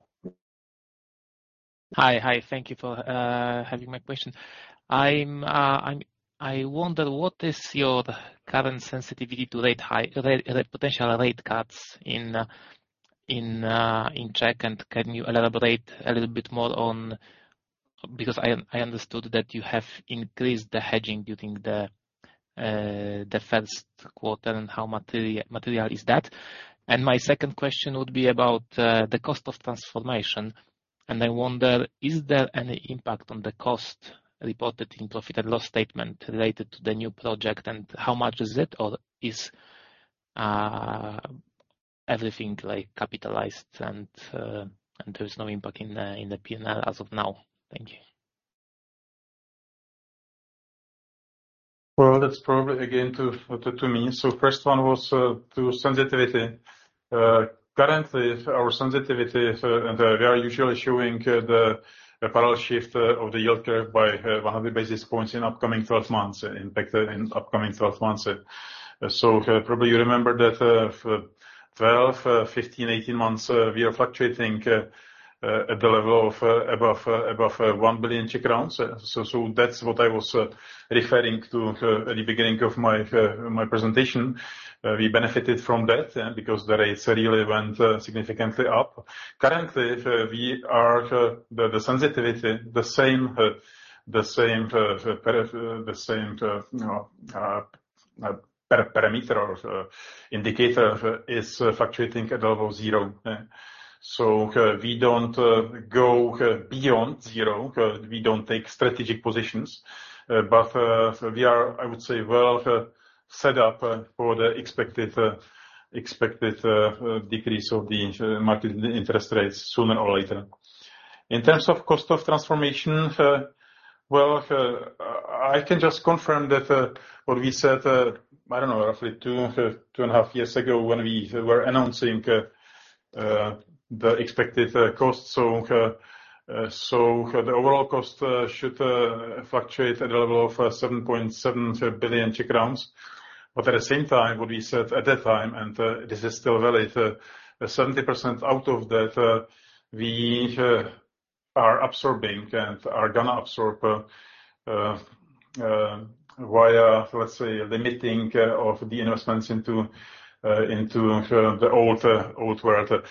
Hi. Thank you for having my question. I wonder, what is your current sensitivity to potential rate cuts in Czech? Can you elaborate a little bit more on. Because I understood that you have increased the hedging during the first quarter, and how material is that? My second question would be about the cost of transformation. I wonder, is there any impact on the cost reported in profit and loss statement related to the new project, and how much is it? Or is everything like capitalized and there is no impact in the P&L as of now? Thank you. That's probably again to me. First one was to sensitivity. Currently our sensitivity, and we are usually showing the parallel shift of the yield curve by 100 basis points in upcoming 12 months, impact in upcoming 12 months. Probably you remember that, 12, 15, 18 months, we are fluctuating at the level of above 1 billion. That's what I was referring to at the beginning of my presentation. We benefited from that, because the rates really went significantly up. Currently, we are the sensitivity, the same, the same, you know, parameter or indicator is fluctuating at level zero. We don't go beyond zero. We don't take strategic positions. We are, I would say, well set up for the expected decrease of the market interest rates sooner or later. In terms of cost of transformation, well, I can just confirm that what we said, I don't know, roughly two and a half years ago, when we were announcing the expected cost. The overall cost should fluctuate at a level of 7.7 billion Czech crowns. At the same time, what we said at that time, and this is still valid, 70% out of that, we are absorbing and are gonna absorb via, let's say, limiting of the investments into the old world.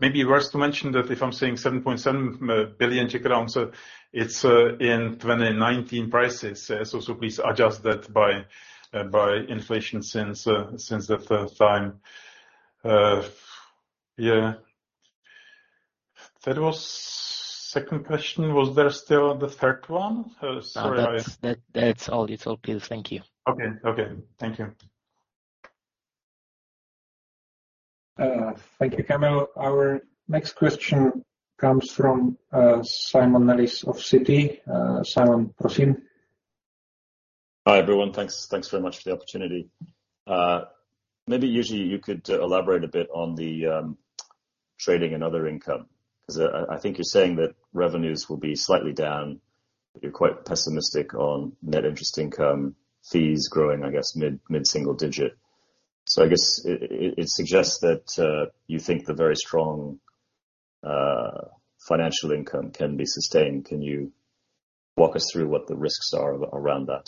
Maybe worth to mention that if I'm saying 7.7 billion Czech crowns, it's in 2019 prices. Please adjust that by inflation since that time. Yeah. That was second question. Was there still the third one? Sorry. No, that's all. It's all clear. Thank you. Okay. Okay. Thank you. Thank you, Kamil. Our next question comes from Simon Nellis of Citi. Simon, proceed. Hi, everyone. Thanks very much for the opportunity. Maybe, Jiří, you could elaborate a bit on the trading and other income. 'Cause I think you're saying that revenues will be slightly down. You're quite pessimistic on net interest income fees growing, I guess, mid-single digit. I guess it suggests that you think the very strong financial income can be sustained. Can you walk us through what the risks are around that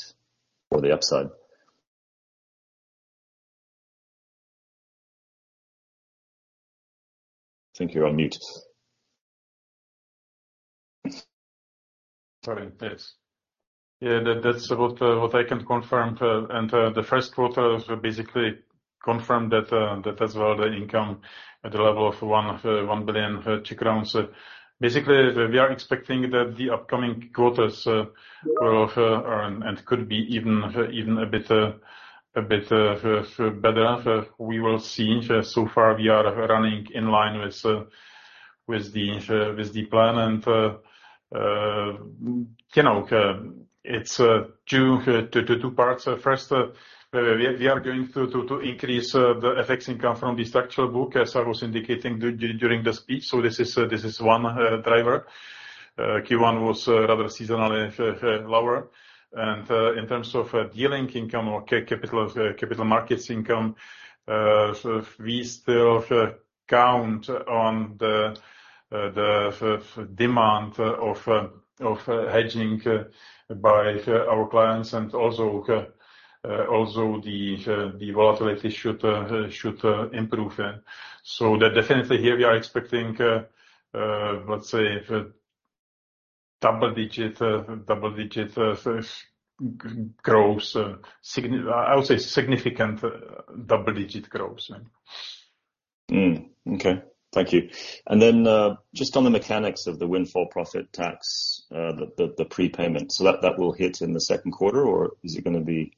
or the upside? I think you're on mute. Sorry. Yes. Yeah, that's what I can confirm. The first quarter basically confirmed that as well, the income at the level of 1 billion Czech crowns. Basically, we are expecting that the upcoming quarters will earn, and could be even a bit better. We will see. So far we are running in line with the plan. You know, it's two parts. First, we are going to increase the FX income from the structural book, as I was indicating during the speech. This is one driver. Q1 was rather seasonally lower. In terms of dealing income or capital markets income, we still count on the demand of hedging by our clients and also the volatility should improve. That definitely here we are expecting let's say double-digit growth, I would say significant double-digit growth. Okay. Thank you. Just on the mechanics of the windfall profit tax, the prepayment. That will hit in the second quarter, or is it gonna be?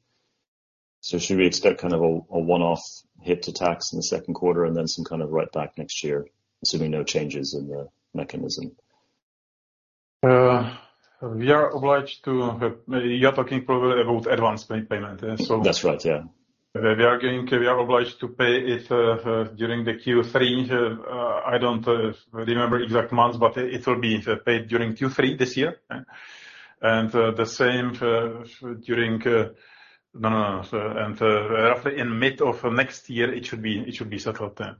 Should we expect kind of a one-off hit to tax in the second quarter and then some kind of write back next year, assuming no changes in the mechanism? We are obliged to, you are talking probably about advanced payment. That's right, yeah. We are obliged to pay it during the Q3. I don't remember exact months, but it will be paid during Q3 this year. No, no. Roughly in mid of next year, it should be settled then.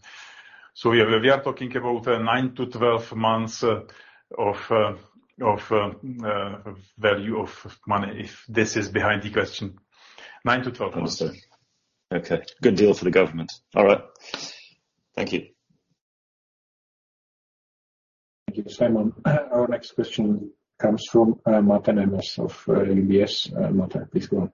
We are talking about nine-12 months of value of money, if this is behind the question. nine-12 months. Understood. Okay. Good deal for the government. All right. Thank you. Thank you, Simon. Our next question comes from Martin Leitgeb of Goldman Sachs, Martin, please go on.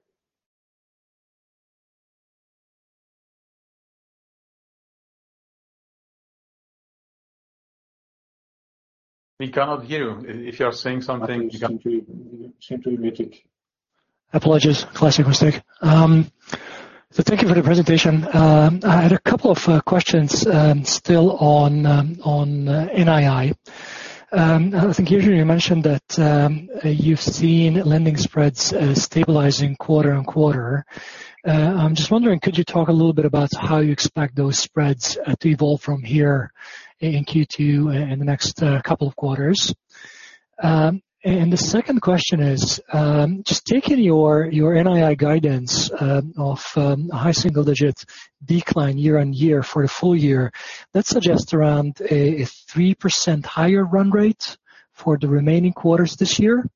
We cannot hear you. If you are saying something, we can't. Martin, you seem to be muted. Apologies. Classic mistake. Thank you for the presentation. I had a couple of questions still on NII. I think, Jiří, you mentioned that you've seen lending spreads stabilizing quarter-over-quarter. I'm just wondering, could you talk a little bit about how you expect those spreads to evolve from here in Q2 and the next couple of quarters? The second question is, just taking your NII guidance of high single digits decline year-over-year for the full year, that suggests around a 3% higher run rate for the remaining quarters this year,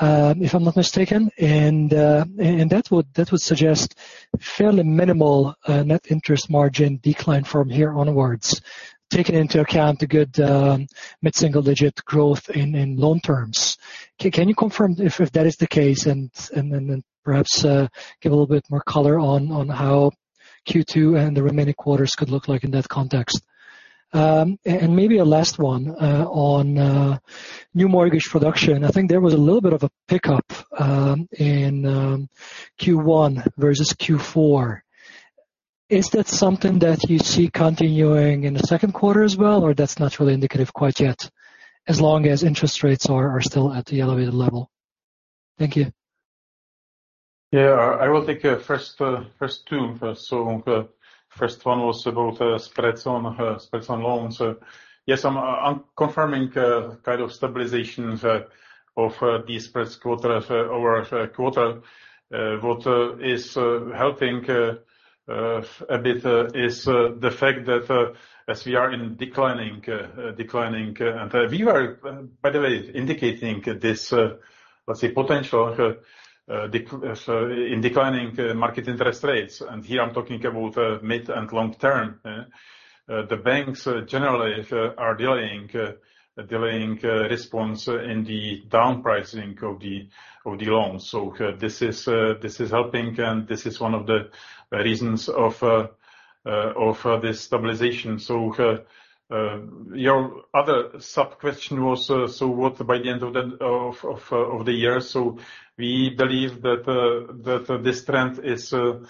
if I'm not mistaken. That would suggest fairly minimal net interest margin decline from here onwards, taking into account the good mid-single digit growth in loan terms. Can you confirm if that is the case, and then perhaps give a little bit more color on how Q2 and the remaining quarters could look like in that context? Maybe a last one, on new mortgage production. I think there was a little bit of a pickup, in Q1 versus Q4. Is that something that you see continuing in the second quarter as well, or that's not really indicative quite yet, as long as interest rates are still at the elevated level? Thank you. Yeah. I will take first two first. First one was about spreads on loans. Yes, I'm confirming kind of stabilization of these spreads quarter-over-quarter. What is helping a bit is the fact that as we are in declining. We were, by the way, indicating this, let's say potential, in declining market interest rates, and here I'm talking about mid and long term, the banks generally are delaying response in the down pricing of the loans. This is helping, and this is one of the reasons of this stabilization. Your other sub-question was, so what by the end of the year? We believe that this trend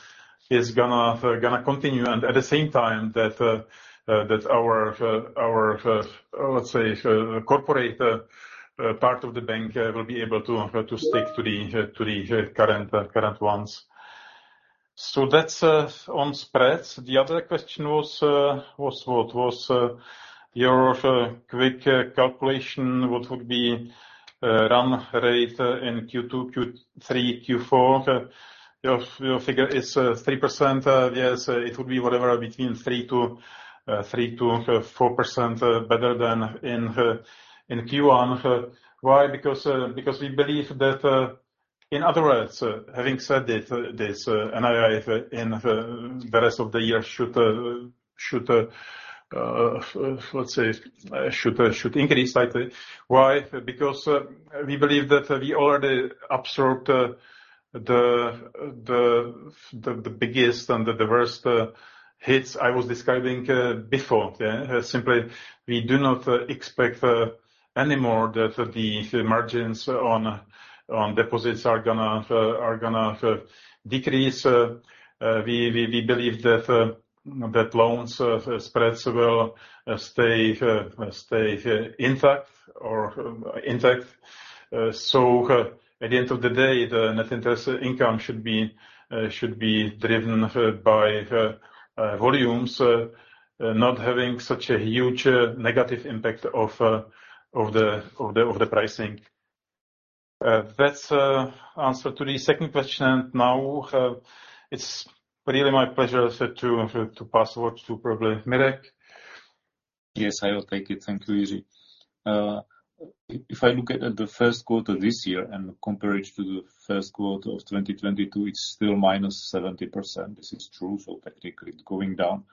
is gonna continue, and at the same time that our let's say corporate part of the bank will be able to stick to the current ones. That's on spreads. The other question was what? Was your quick calculation, what would be run rate in Q2, Q3, Q4? Your figure is 3%. Yes, it will be whatever between 3%-4% better than in Q1. Why? Because we believe that... In other words, having said that, this NII in the rest of the year should, let's say, should increase slightly. Why? Because we believe that we already absorbed the biggest and the diverse hits I was describing before. Yeah. Simply, we do not expect any more that the margins on deposits are gonna decrease. We believe that loans spreads will stay intact or intact. At the end of the day, the net interest income should be driven by volumes, not having such a huge negative impact of the pricing. That's answer to the second question. Now, it's really my pleasure to pass over to probably Miroslav. Yes, I will take it. Thank you, Jiří. If I look at the first quarter this year and compare it to the first quarter of 2022, it's still minus 70%. This is true. Technically, it's going down.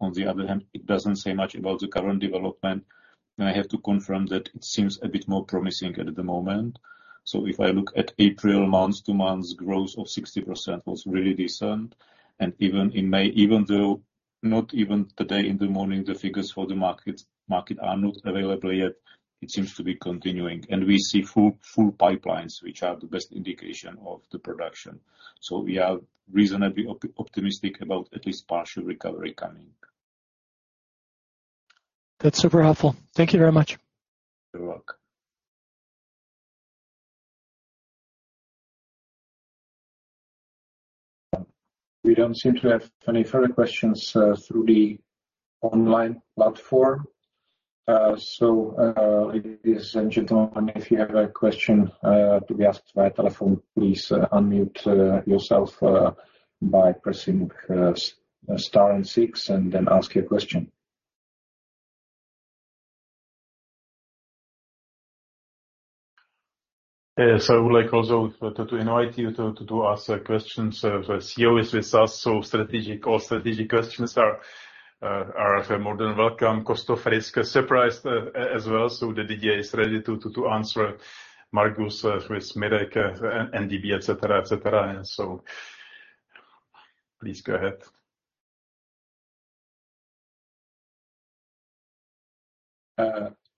On the other hand, it doesn't say much about the current development. I have to confirm that it seems a bit more promising at the moment. If I look at April, month-to-month growth of 60% was really decent. Even in May, even though not even today in the morning, the figures for the market are not available yet, it seems to be continuing. We see full pipelines, which are the best indication of the production. We are reasonably optimistic about at least partial recovery coming. That's super helpful. Thank you very much. You're welcome. We don't seem to have any further questions through the online platform. Ladies and gentlemen, if you have a question to be asked via telephone, please unmute yourself by pressing star and six, and then ask your question. Yes. I would like also to invite you to ask questions. The Chief Executive Officer is with us, strategic or strategic questions are more than welcome. Cost of risk surprise as well, the DD is ready to answer. Margus with Miroslav NDB, etc., etc. Please go ahead.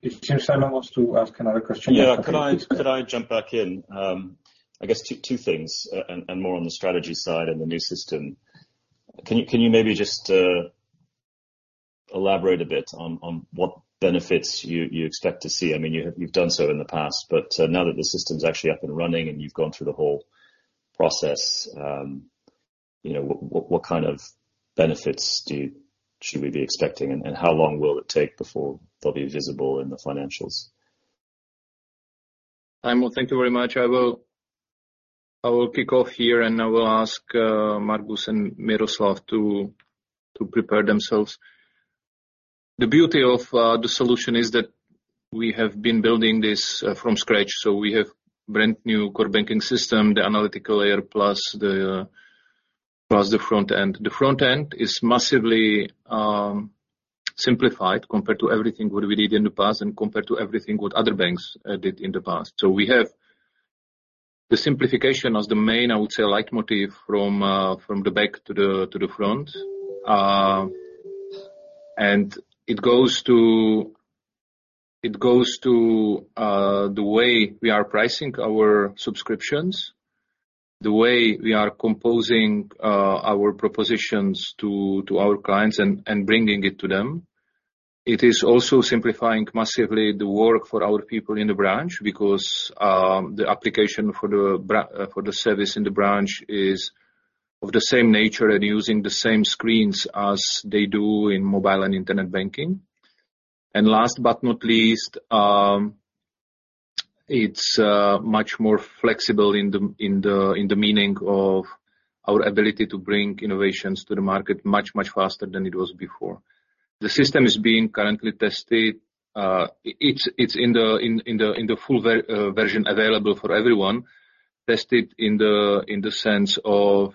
If Simon wants to ask another question. Yeah. Could I jump back in? I guess two things, and more on the strategy side and the new system. Can you maybe just elaborate a bit on what benefits you expect to see? I mean, you've done so in the past, but now that the system's actually up and running and you've gone through the whole process, you know, what kind of benefits should we be expecting, and how long will it take before they'll be visible in the financials? Simon, thank you very much. I will kick off here, I will ask Margus and Miroslav to prepare themselves. The beauty of the solution is that we have been building this from scratch, we have brand new core banking system, the analytical layer, plus the front end. The front end is massively simplified compared to everything what we did in the past and compared to everything what other banks did in the past. We have the simplification as the main, I would say, leitmotif from the back to the front. It goes to the way we are pricing our subscriptions, the way we are composing our propositions to our clients and bringing it to them. It is also simplifying massively the work for our people in the branch because the application for the service in the branch is of the same nature and using the same screens as they do in mobile and internet banking. Last but not least, it's much more flexible in the meaning of our ability to bring innovations to the market much, much faster than it was before. The system is being currently tested. It's in the full version available for everyone, tested in the sense of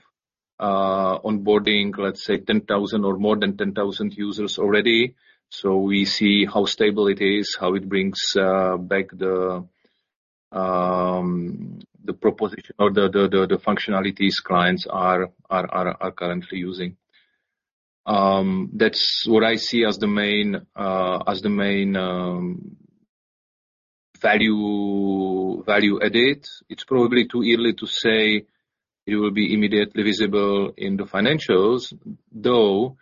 onboarding, let's say 10,000 or more than 10,000 users already. We see how stable it is, how it brings back the proposition or the functionalities clients are currently using. That's what I see as the main, as the main, value added. It's probably too early to say it will be immediately visible in the financials, though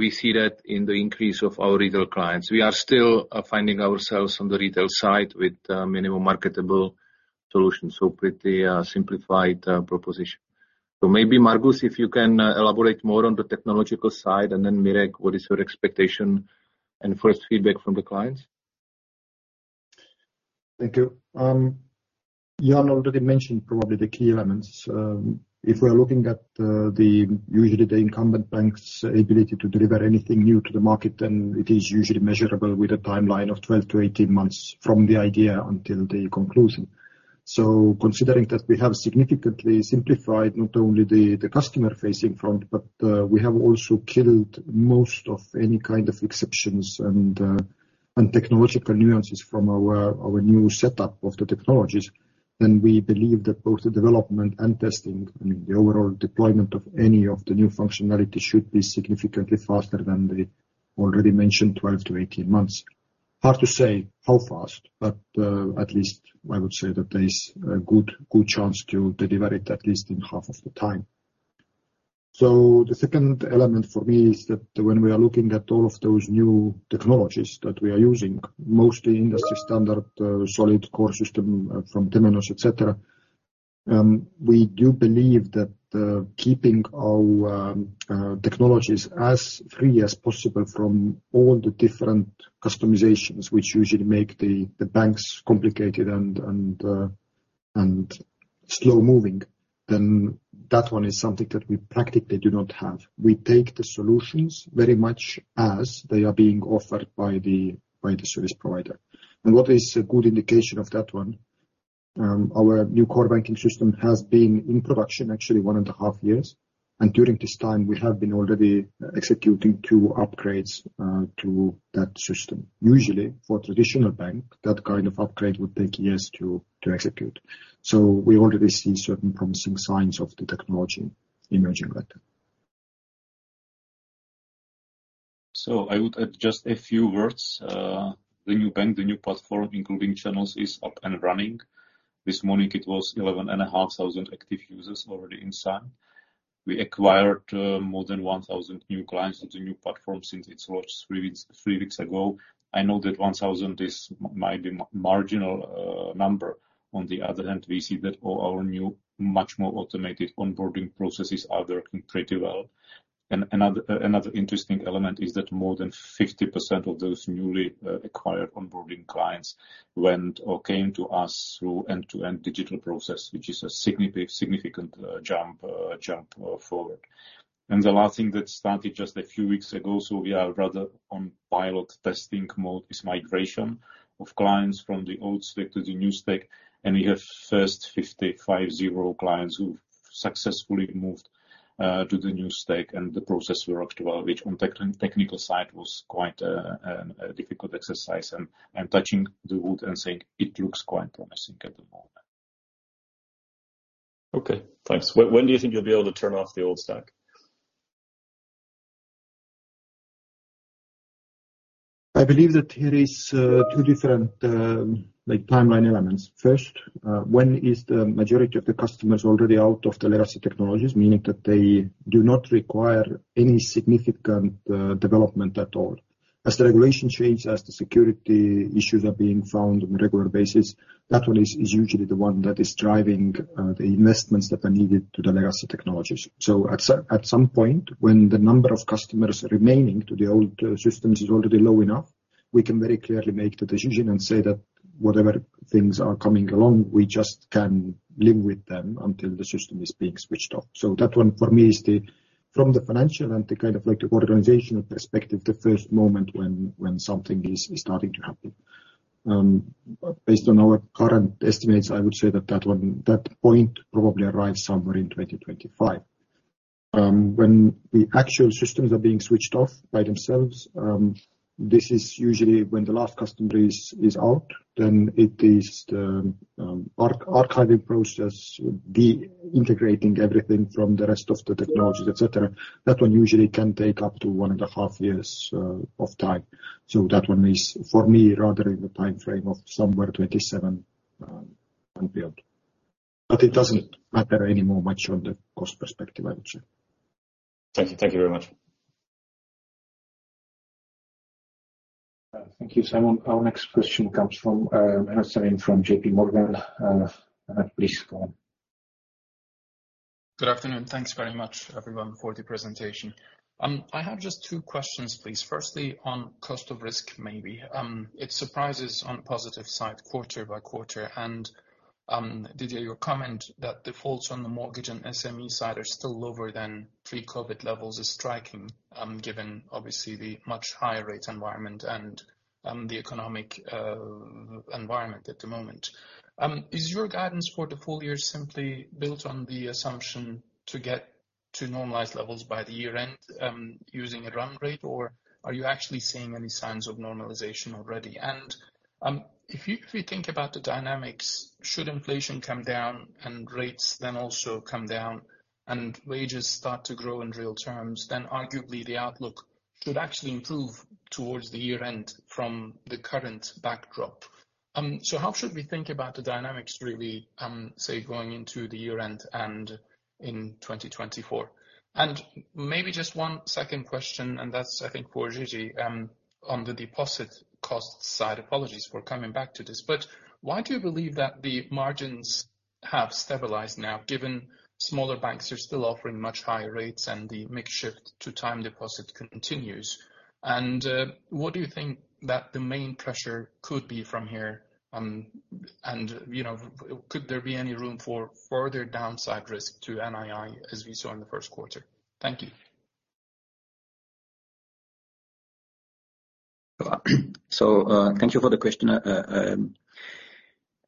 We see that in the increase of our retail clients. We are still finding ourselves on the retail side with minimum marketable solutions, so pretty simplified proposition. Maybe, Margus, if you can elaborate more on the technological side, and then Miroslav, what is your expectation and first feedback from the clients? Thank you. Jan already mentioned probably the key elements. If we are looking at the usually the incumbent bank's ability to deliver anything new to the market, then it is usually measurable with a timeline of 12-18 months from the idea until the conclusion. Considering that we have significantly simplified not only the customer-facing front, but we have also killed most of any kind of exceptions and technological nuances from our new setup of the technologies, then we believe that both the development and testing, I mean, the overall deployment of any of the new functionality should be significantly faster than the already mentioned 12-18 months. Hard to say how fast, but at least I would say that there is a good chance to deliver it at least in half of the time. The second element for me is that when we are looking at all of those new technologies that we are using, mostly industry standard, solid core system from Temenos, et cetera, we do believe that keeping our technologies as free as possible from all the different customizations, which usually make the banks complicated and slow-moving, then that one is something that we practically do not have. We take the solutions very much as they are being offered by the service provider. What is a good indication of that one, our new core banking system has been in production actually one and a half years, and during this time we have been already executing two upgrades to that system. Usually for traditional bank, that kind of upgrade would take years to execute. We already see certain promising signs of the technology emerging better. I would add just a few words. The new bank, the new platform, including channels, is up and running. This morning it was 11,500 active users already inside. We acquired more than 1,000 new clients on the new platform since it launched three weeks ago. I know that 1,000 is might be marginal number. On the other hand, we see that all our new much more automated onboarding processes are working pretty well. Another interesting element is that more than 50% of those newly acquired onboarding clients went or came to us through end-to-end digital process, which is a significant jump forward. The last thing that started just a few weeks ago, so we are rather on pilot testing mode, is migration of clients from the old stack to the new stack. We have first 50 clients who've successfully moved to the new stack and the process worked well, which on technical side was quite a difficult exercise and touching the wood and saying it looks quite promising at the moment. Okay, thanks. When do you think you'll be able to turn off the old stack? I believe that there is two different, like timeline elements. First, when is the majority of the customers already out of the legacy technologies, meaning that they do not require any significant development at all. As the regulation change, as the security issues are being found on a regular basis, that one is usually the one that is driving the investments that are needed to the legacy technologies. At some point, when the number of customers remaining to the old systems is already low enough, we can very clearly make the decision and say that whatever things are coming along, we just can live with them until the system is being switched off. That one for me is the, from the financial and the kind of like the organizational perspective, the first moment when something is starting to happen. Based on our current estimates, I would say that that one, that point probably arrives somewhere in 2025. When the actual systems are being switched off by themselves, this is usually when the last customer is out, then it is the archiving process, deintegrating everything from the rest of the technologies, et cetera. That one usually can take up to one and a half years of time. That one is, for me, rather in the timeframe of somewhere 2027 and beyond. It doesn't matter anymore much on the cost perspective, I would say. Thank you. Thank you very much. Thank you, Simon. Our next question comes from Mehmet Sevim from J.P. Morgan. Harrison, please go on. Good afternoon. Thanks very much, everyone, for the presentation. I have just two questions, please. Firstly, on cost of risk, maybe. It surprises on positive side quarter by quarter. Didier, your comment that defaults on the mortgage and SME side are still lower than pre-COVID levels is striking, given obviously the much higher rate environment and the economic environment at the moment. Is your guidance for the full year simply built on the assumption to get to normalized levels by the year-end, using a run rate, or are you actually seeing any signs of normalization already? If you think about the dynamics, should inflation come down and rates then also come down and wages start to grow in real terms, then arguably the outlook should actually improve towards the year-end from the current backdrop. How should we think about the dynamics really, going into the year-end and in 2024? Maybe just one second question, and that's, I think, for Didier, on the deposit cost side. Apologies for coming back to this. Why do you believe that the margins have stabilized now, given smaller banks are still offering much higher rates and the mix shift to time deposit continues? What do you think that the main pressure could be from here, and, you know, could there be any room for further downside risk to NII as we saw in the first quarter? Thank you. Thank you for the question.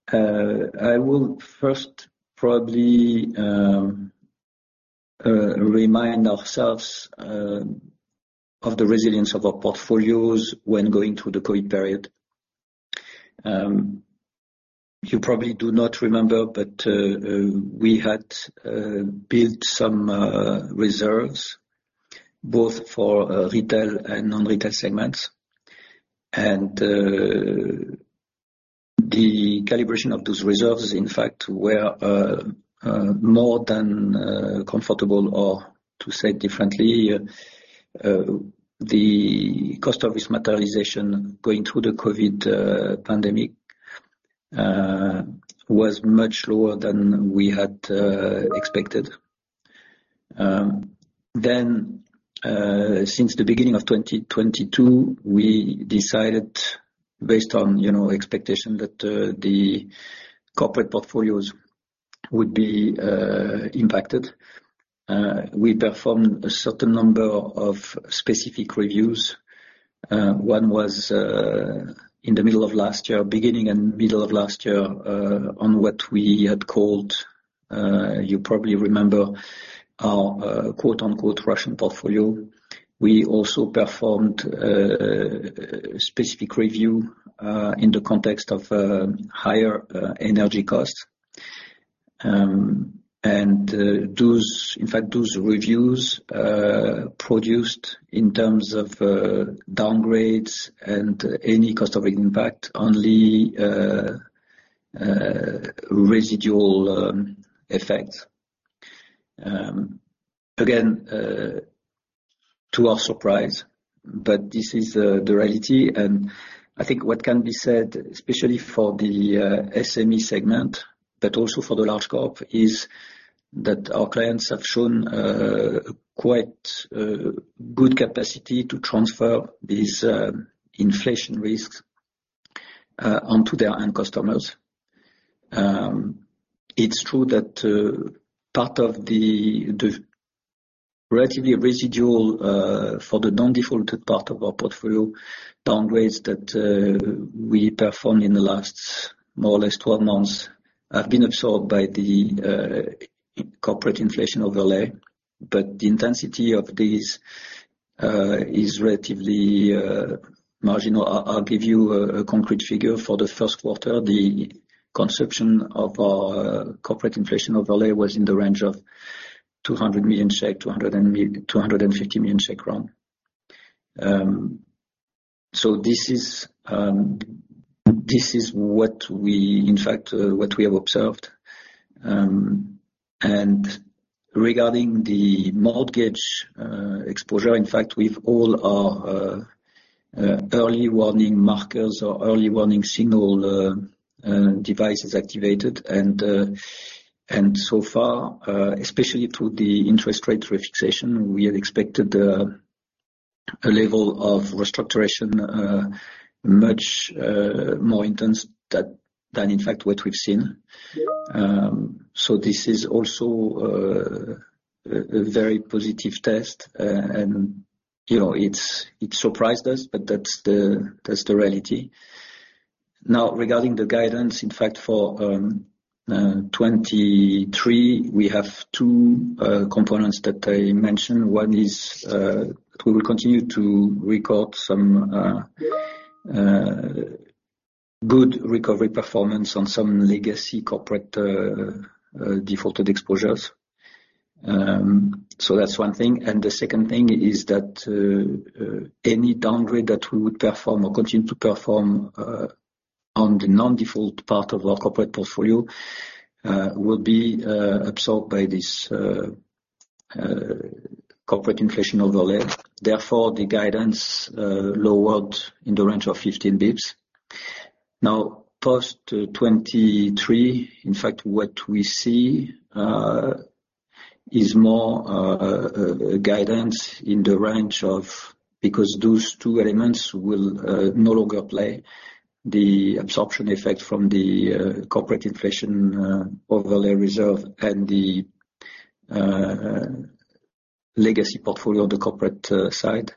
I will first probably remind ourselves of the resilience of our portfolios when going through the COVID period. You probably do not remember, but we had built some reserves both for retail and non-retail segments. The calibration of those reserves, in fact, were more than comfortable, or to say it differently, the cost of this materialization going through the COVID pandemic was much lower than we had expected. Since the beginning of 2022, we decided based on, you know, expectation that the corporate portfolios would be impacted. We performed a certain number of specific reviews. One was in the middle of last year, beginning and middle of last year, on what we had called, you probably remember our, quote-unquote, "Russian portfolio." We also performed specific review in the context of higher energy costs. Those, in fact, those reviews produced in terms of downgrades and any cost of impact only residual effect. Again, to our surprise, but this is the reality, and I think what can be said, especially for the SME segment, but also for the large corp, is that our clients have shown quite good capacity to transfer these inflation risks onto their end customers. It's true that part of the relatively residual for the non-defaulted part of our portfolio downgrades that we performed in the last more or less 12 months have been absorbed by the corporate inflation overlay. The intensity of these is relatively marginal. I'll give you a concrete figure. For the first quarter, the conception of our corporate inflation overlay was in the range of 200 million, 250 million. This is what we, in fact, what we have observed. Regarding the mortgage exposure, in fact, with all our early warning markers or early warning signal devices activated, and so far, especially through the interest rate refixation, we had expected a level of restoration much more intense than in fact what we've seen. This is also a very positive test. You know, it surprised us, but that's the reality. Regarding the guidance, in fact, for 23, we have two components that I mentioned. One is that we will continue to record some good recovery performance on some legacy corporate defaulted exposures. So that's one thing. The second thing is that any downgrade that we would perform or continue to perform on the non-default part of our corporate portfolio will be absorbed by this corporate inflation overlay. Therefore, the guidance lowered in the range of 15 basis points. Post 2023, in fact, what we see is more a guidance in the range of. Those two elements will no longer play the absorption effect from the corporate inflation overlay reserve and the legacy portfolio of the corporate side.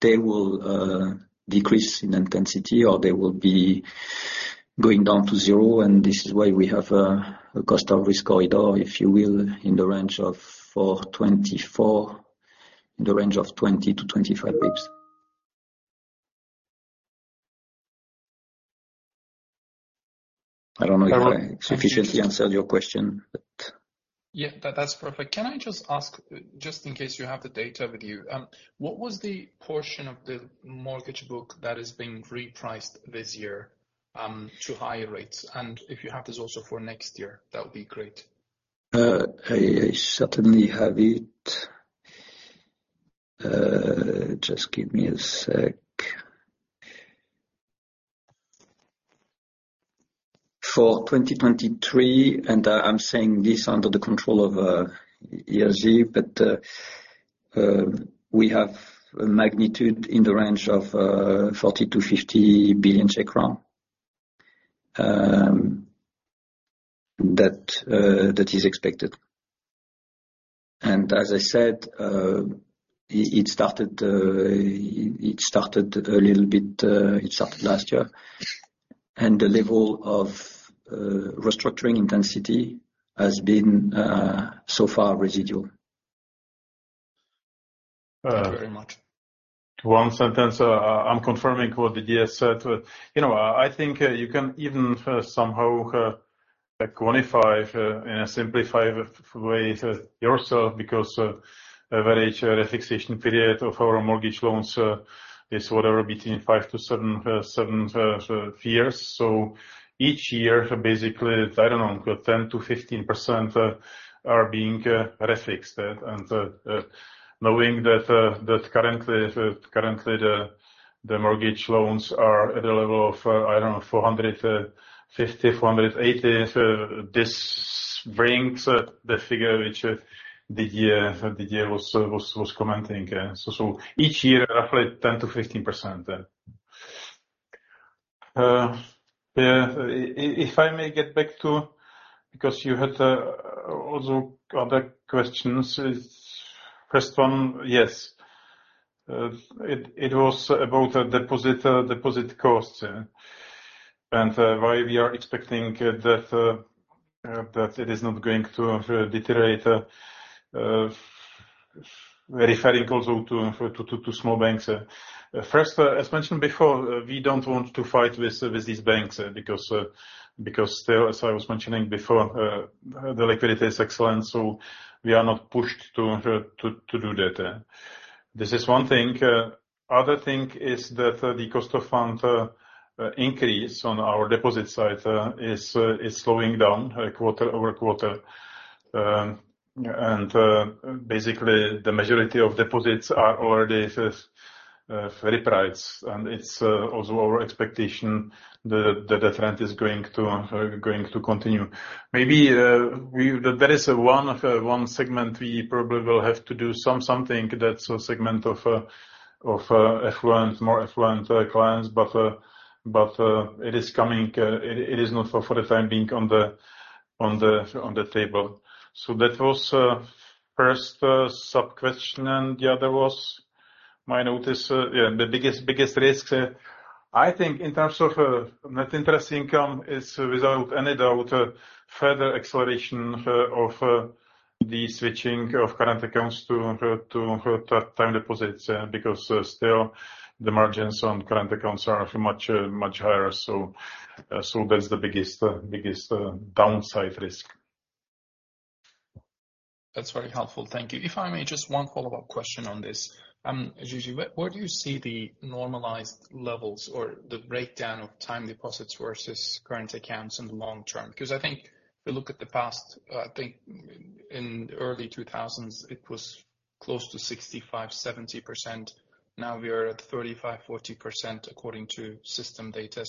They will decrease in intensity, or they will be going down to zero. This is why we have a cost of risk corridor, if you will, in the range of 424, in the range of 20 to 25 basis points. I don't know if I sufficiently answered your question. Yeah, that's perfect. Can I just ask, just in case you have the data with you, what was the portion of the mortgage book that is being repriced this year, to higher rates? If you have this also for next year, that would be great. I certainly have it. Just give me a sec. For 2023, I'm saying this under the control of ESG, we have a magnitude in the range of 40 billion-50 billion that is expected. As I said, it started a little bit, it started last year. The level of restructuring intensity has been so far residual. Thank you very much. One sentence. I'm confirming what Didier said. You know, I think you can even somehow quantify in a simplified way yourself because average refixation period of our mortgage loans is whatever between five to seven years. Each year, basically, I don't know, 10%-15% are being refixed. Knowing that currently the mortgage loans are at a level of, I don't know, 450, 480, this brings the figure which Didier was commenting. Each year roughly 10%-15%. Yeah, if I may get back to. Because you had also other questions. First one, yes. It was about deposit costs, yeah, and why we are expecting that it is not going to deteriorate. Referring also to small banks. First, as mentioned before, we don't want to fight with these banks because still, as I was mentioning before, the liquidity is excellent, we are not pushed to do that. This is one thing. Other thing is that the cost of fund increase on our deposit side is slowing down quarter-over-quarter. Basically the majority of deposits are already repriced, and it's also our expectation that the trend is going to continue. Maybe there is one segment we probably will have to do something, that's a segment of affluent, more affluent clients. It is coming. It is not for the time being on the table. That was first sub-question. The other was my notice, yeah, the biggest risk. I think in terms of net interest income is without any doubt further acceleration of the switching of current accounts to time deposits, because still the margins on current accounts are much higher. That's the biggest downside risk. That's very helpful. Thank you. If I may, just one follow-up question on this. Jiří, where do you see the normalized levels or the breakdown of time deposits versus current accounts in the long term? Because I think if you look at the past, I think in early 2000s, it was close to 65%, 70%. Now we are at 35%, 40% according to system data.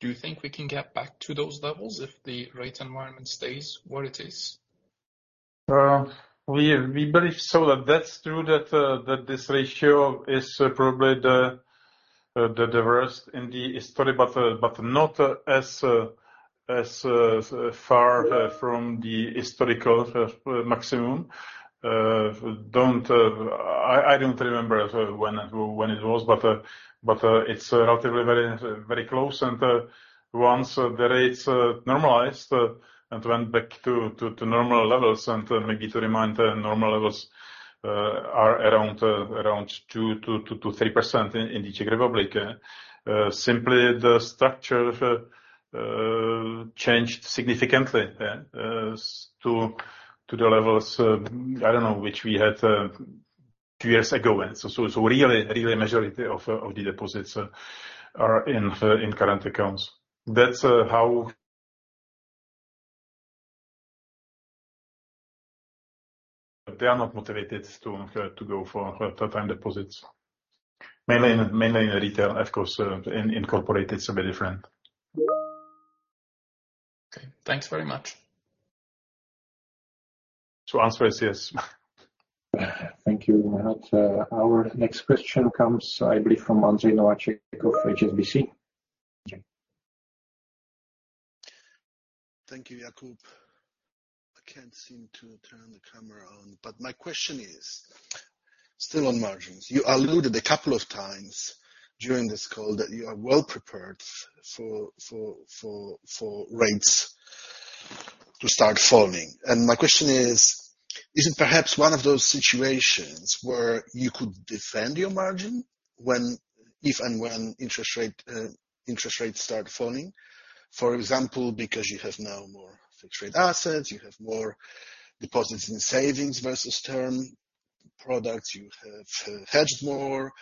Do you think we can get back to those levels if the rate environment stays where it is? We, we believe so. That's true that this ratio is probably the worst in the history, but not as far from the historical maximum. I don't remember when it was, but it's relatively very, very close. Once the rates normalize and went back to normal levels, and maybe to remind the normal levels are around 2%-3% in the Czech Republic. Simply the structure changed significantly to the levels, I don't know, which we had two years ago. So really, really majority of the deposits are in current accounts. That's how they are not motivated to go for time deposits. Mainly, mainly in retail, of course. In corporate it's a bit different. Okay, thanks very much. Answer is yes. Thank you. Our next question comes, I believe, from Andrzej Nowaczek of HSBC. Thank you, Jakub. I can't seem to turn the camera on. My question is still on margins. You alluded a couple of times during this call that you are well prepared for rates to start falling. My question is it perhaps one of those situations where you could defend your margin when, if and when interest rate, interest rates start falling? For example, because you have now more fixed-rate assets, you have more deposits in savings versus term products, you have hedged more.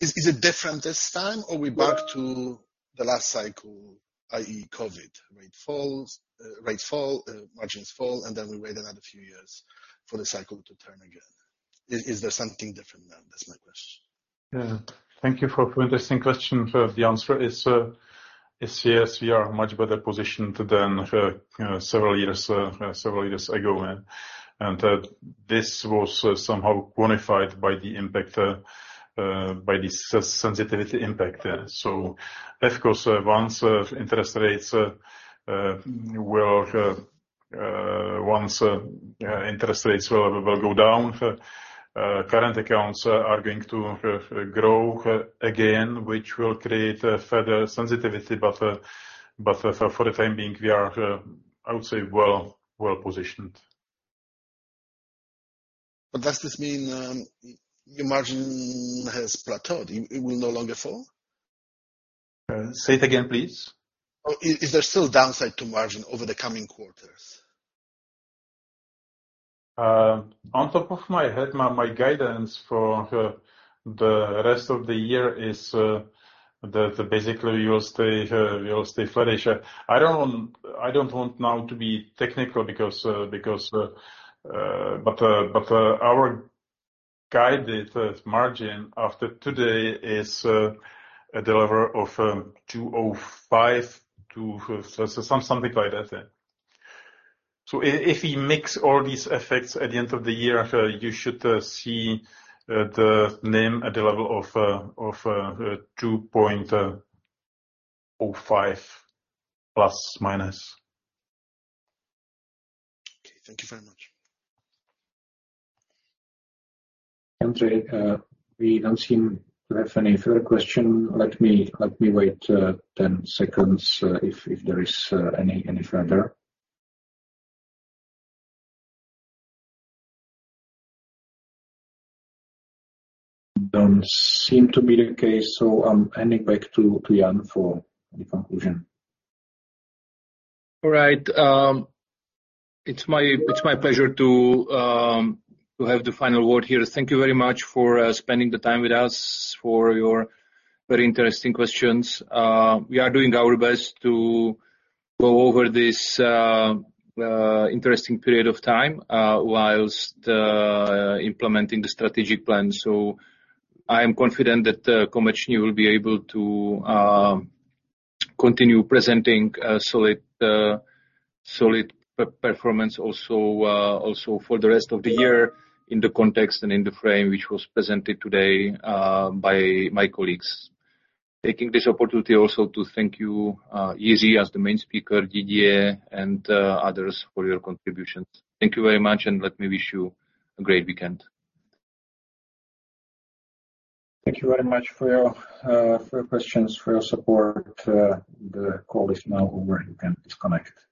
Is it different this time or are we back to the last cycle, i.e., COVID rate falls, rates fall, margins fall, and then we wait another few years for the cycle to turn again. Is there something different now? That's my question. Thank you for interesting question. The answer is yes, we are much better positioned than several years ago. This was somehow quantified by the sensitivity impact. Of course, once interest rates will go down, current accounts are going to grow again, which will create a further sensitivity. For the time being, we are I would say well positioned. Does this mean, your margin has plateaued, it will no longer fall? Say it again, please. Is there still downside to margin over the coming quarters? On top of my head, my guidance for the rest of the year is, basically, we will stay flat-ish. I don't want now to be technical because, but our guided margin after today is a deliver of 2.05 to so something like that. If we mix all these effects at the end of the year, you should see the NIM at the level of 2.05 ±. Okay. Thank you very much. Andrzej, we don't seem to have any further question. Let me wait 10 seconds, if there is any further. Don't seem to be the case, I'm handing back to Jan for the conclusion. All right. It's my pleasure to have the final word here. Thank you very much for spending the time with us, for your very interesting questions. We are doing our best to go over this interesting period of time whilst implementing the strategic plan. I am confident that Komerční will be able to continue presenting a solid performance also for the rest of the year in the context and in the frame which was presented today by my colleagues. Taking this opportunity also to thank you, Jiří, as the main speaker, Didier, and others for your contributions. Thank you very much, Let me wish you a great weekend. Thank you very much for your for your questions, for your support. The call is now over. You can disconnect. Thank you.